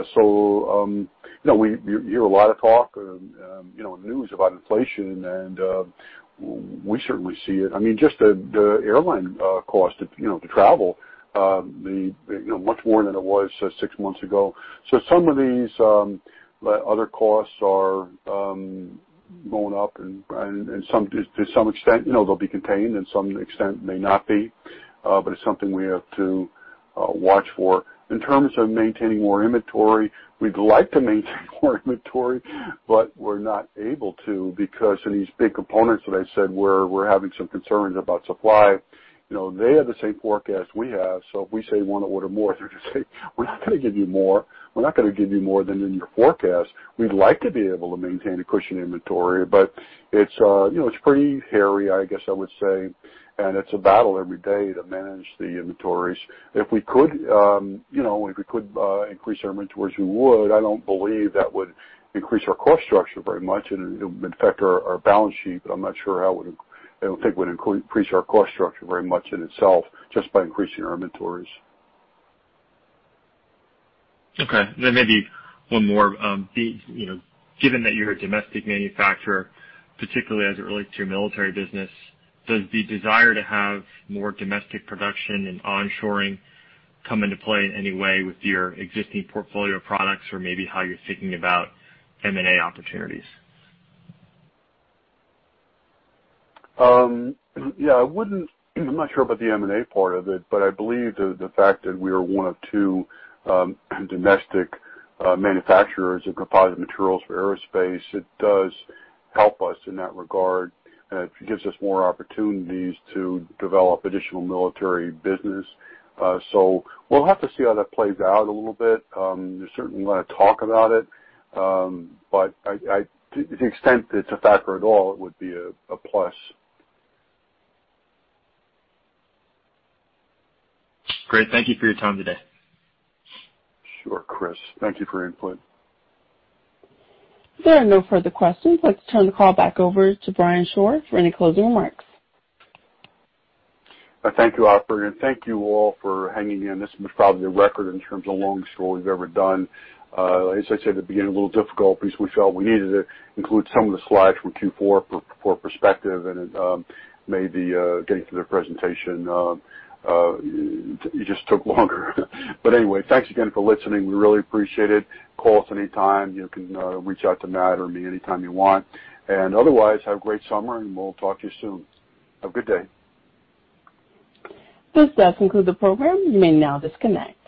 hear a lot of talk, news about inflation, and we certainly see it. Just the airline cost to travel, much more than it was six months ago. Some of these other costs are going up, and to some extent, they'll be contained and some extent may not be. It's something we have to watch for. In terms of maintaining more inventory, we'd like to maintain more inventory, but we're not able to because of these big components that I said, we're having some concerns about supply. They have the same forecast we have. If we say we want to order more, they're going to say, "We're not going to give you more. We're not going to give you more than in your forecast. We'd like to be able to maintain a cushion inventory, but it's pretty hairy, I guess I would say, and it's a battle every day to manage the inventories. If we could increase our inventories, we would. I don't believe that would increase our cost structure very much, and it would affect our balance sheet, but I don't think it would increase our cost structure very much in itself, just by increasing our inventories. Okay, maybe one more. Given that you're a domestic manufacturer, particularly as it relates to your military business, does the desire to have more domestic production and onshoring come into play in any way with your existing portfolio of products or maybe how you're thinking about M&A opportunities? Yeah, I'm not sure about the M&A part of it, but I believe the fact that we are one of two domestic manufacturers of composite materials for aerospace, it does help us in that regard, and it gives us more opportunities to develop additional military business. We'll have to see how that plays out a little bit. There's certainly a lot of talk about it. To the extent it's a factor at all, it would be a plus. Great. Thank you for your time today. Sure, Chris. Thank you for your input. There are no further questions. Let's turn the call back over to Brian Shore for any closing remarks. Thank you, operator, and thank you all for hanging in. This was probably a record in terms of the longest show we've ever done. As I said at the beginning, a little difficult because we felt we needed to include some of the slides from Q4 for perspective, Maybe getting through the presentation, it just took longer. Anyway, thanks again for listening. We really appreciate it. Call us anytime. You can reach out to Matt or me anytime you want. Otherwise, have a great summer, and we'll talk to you soon. Have a good day. This does conclude the program. You may now disconnect.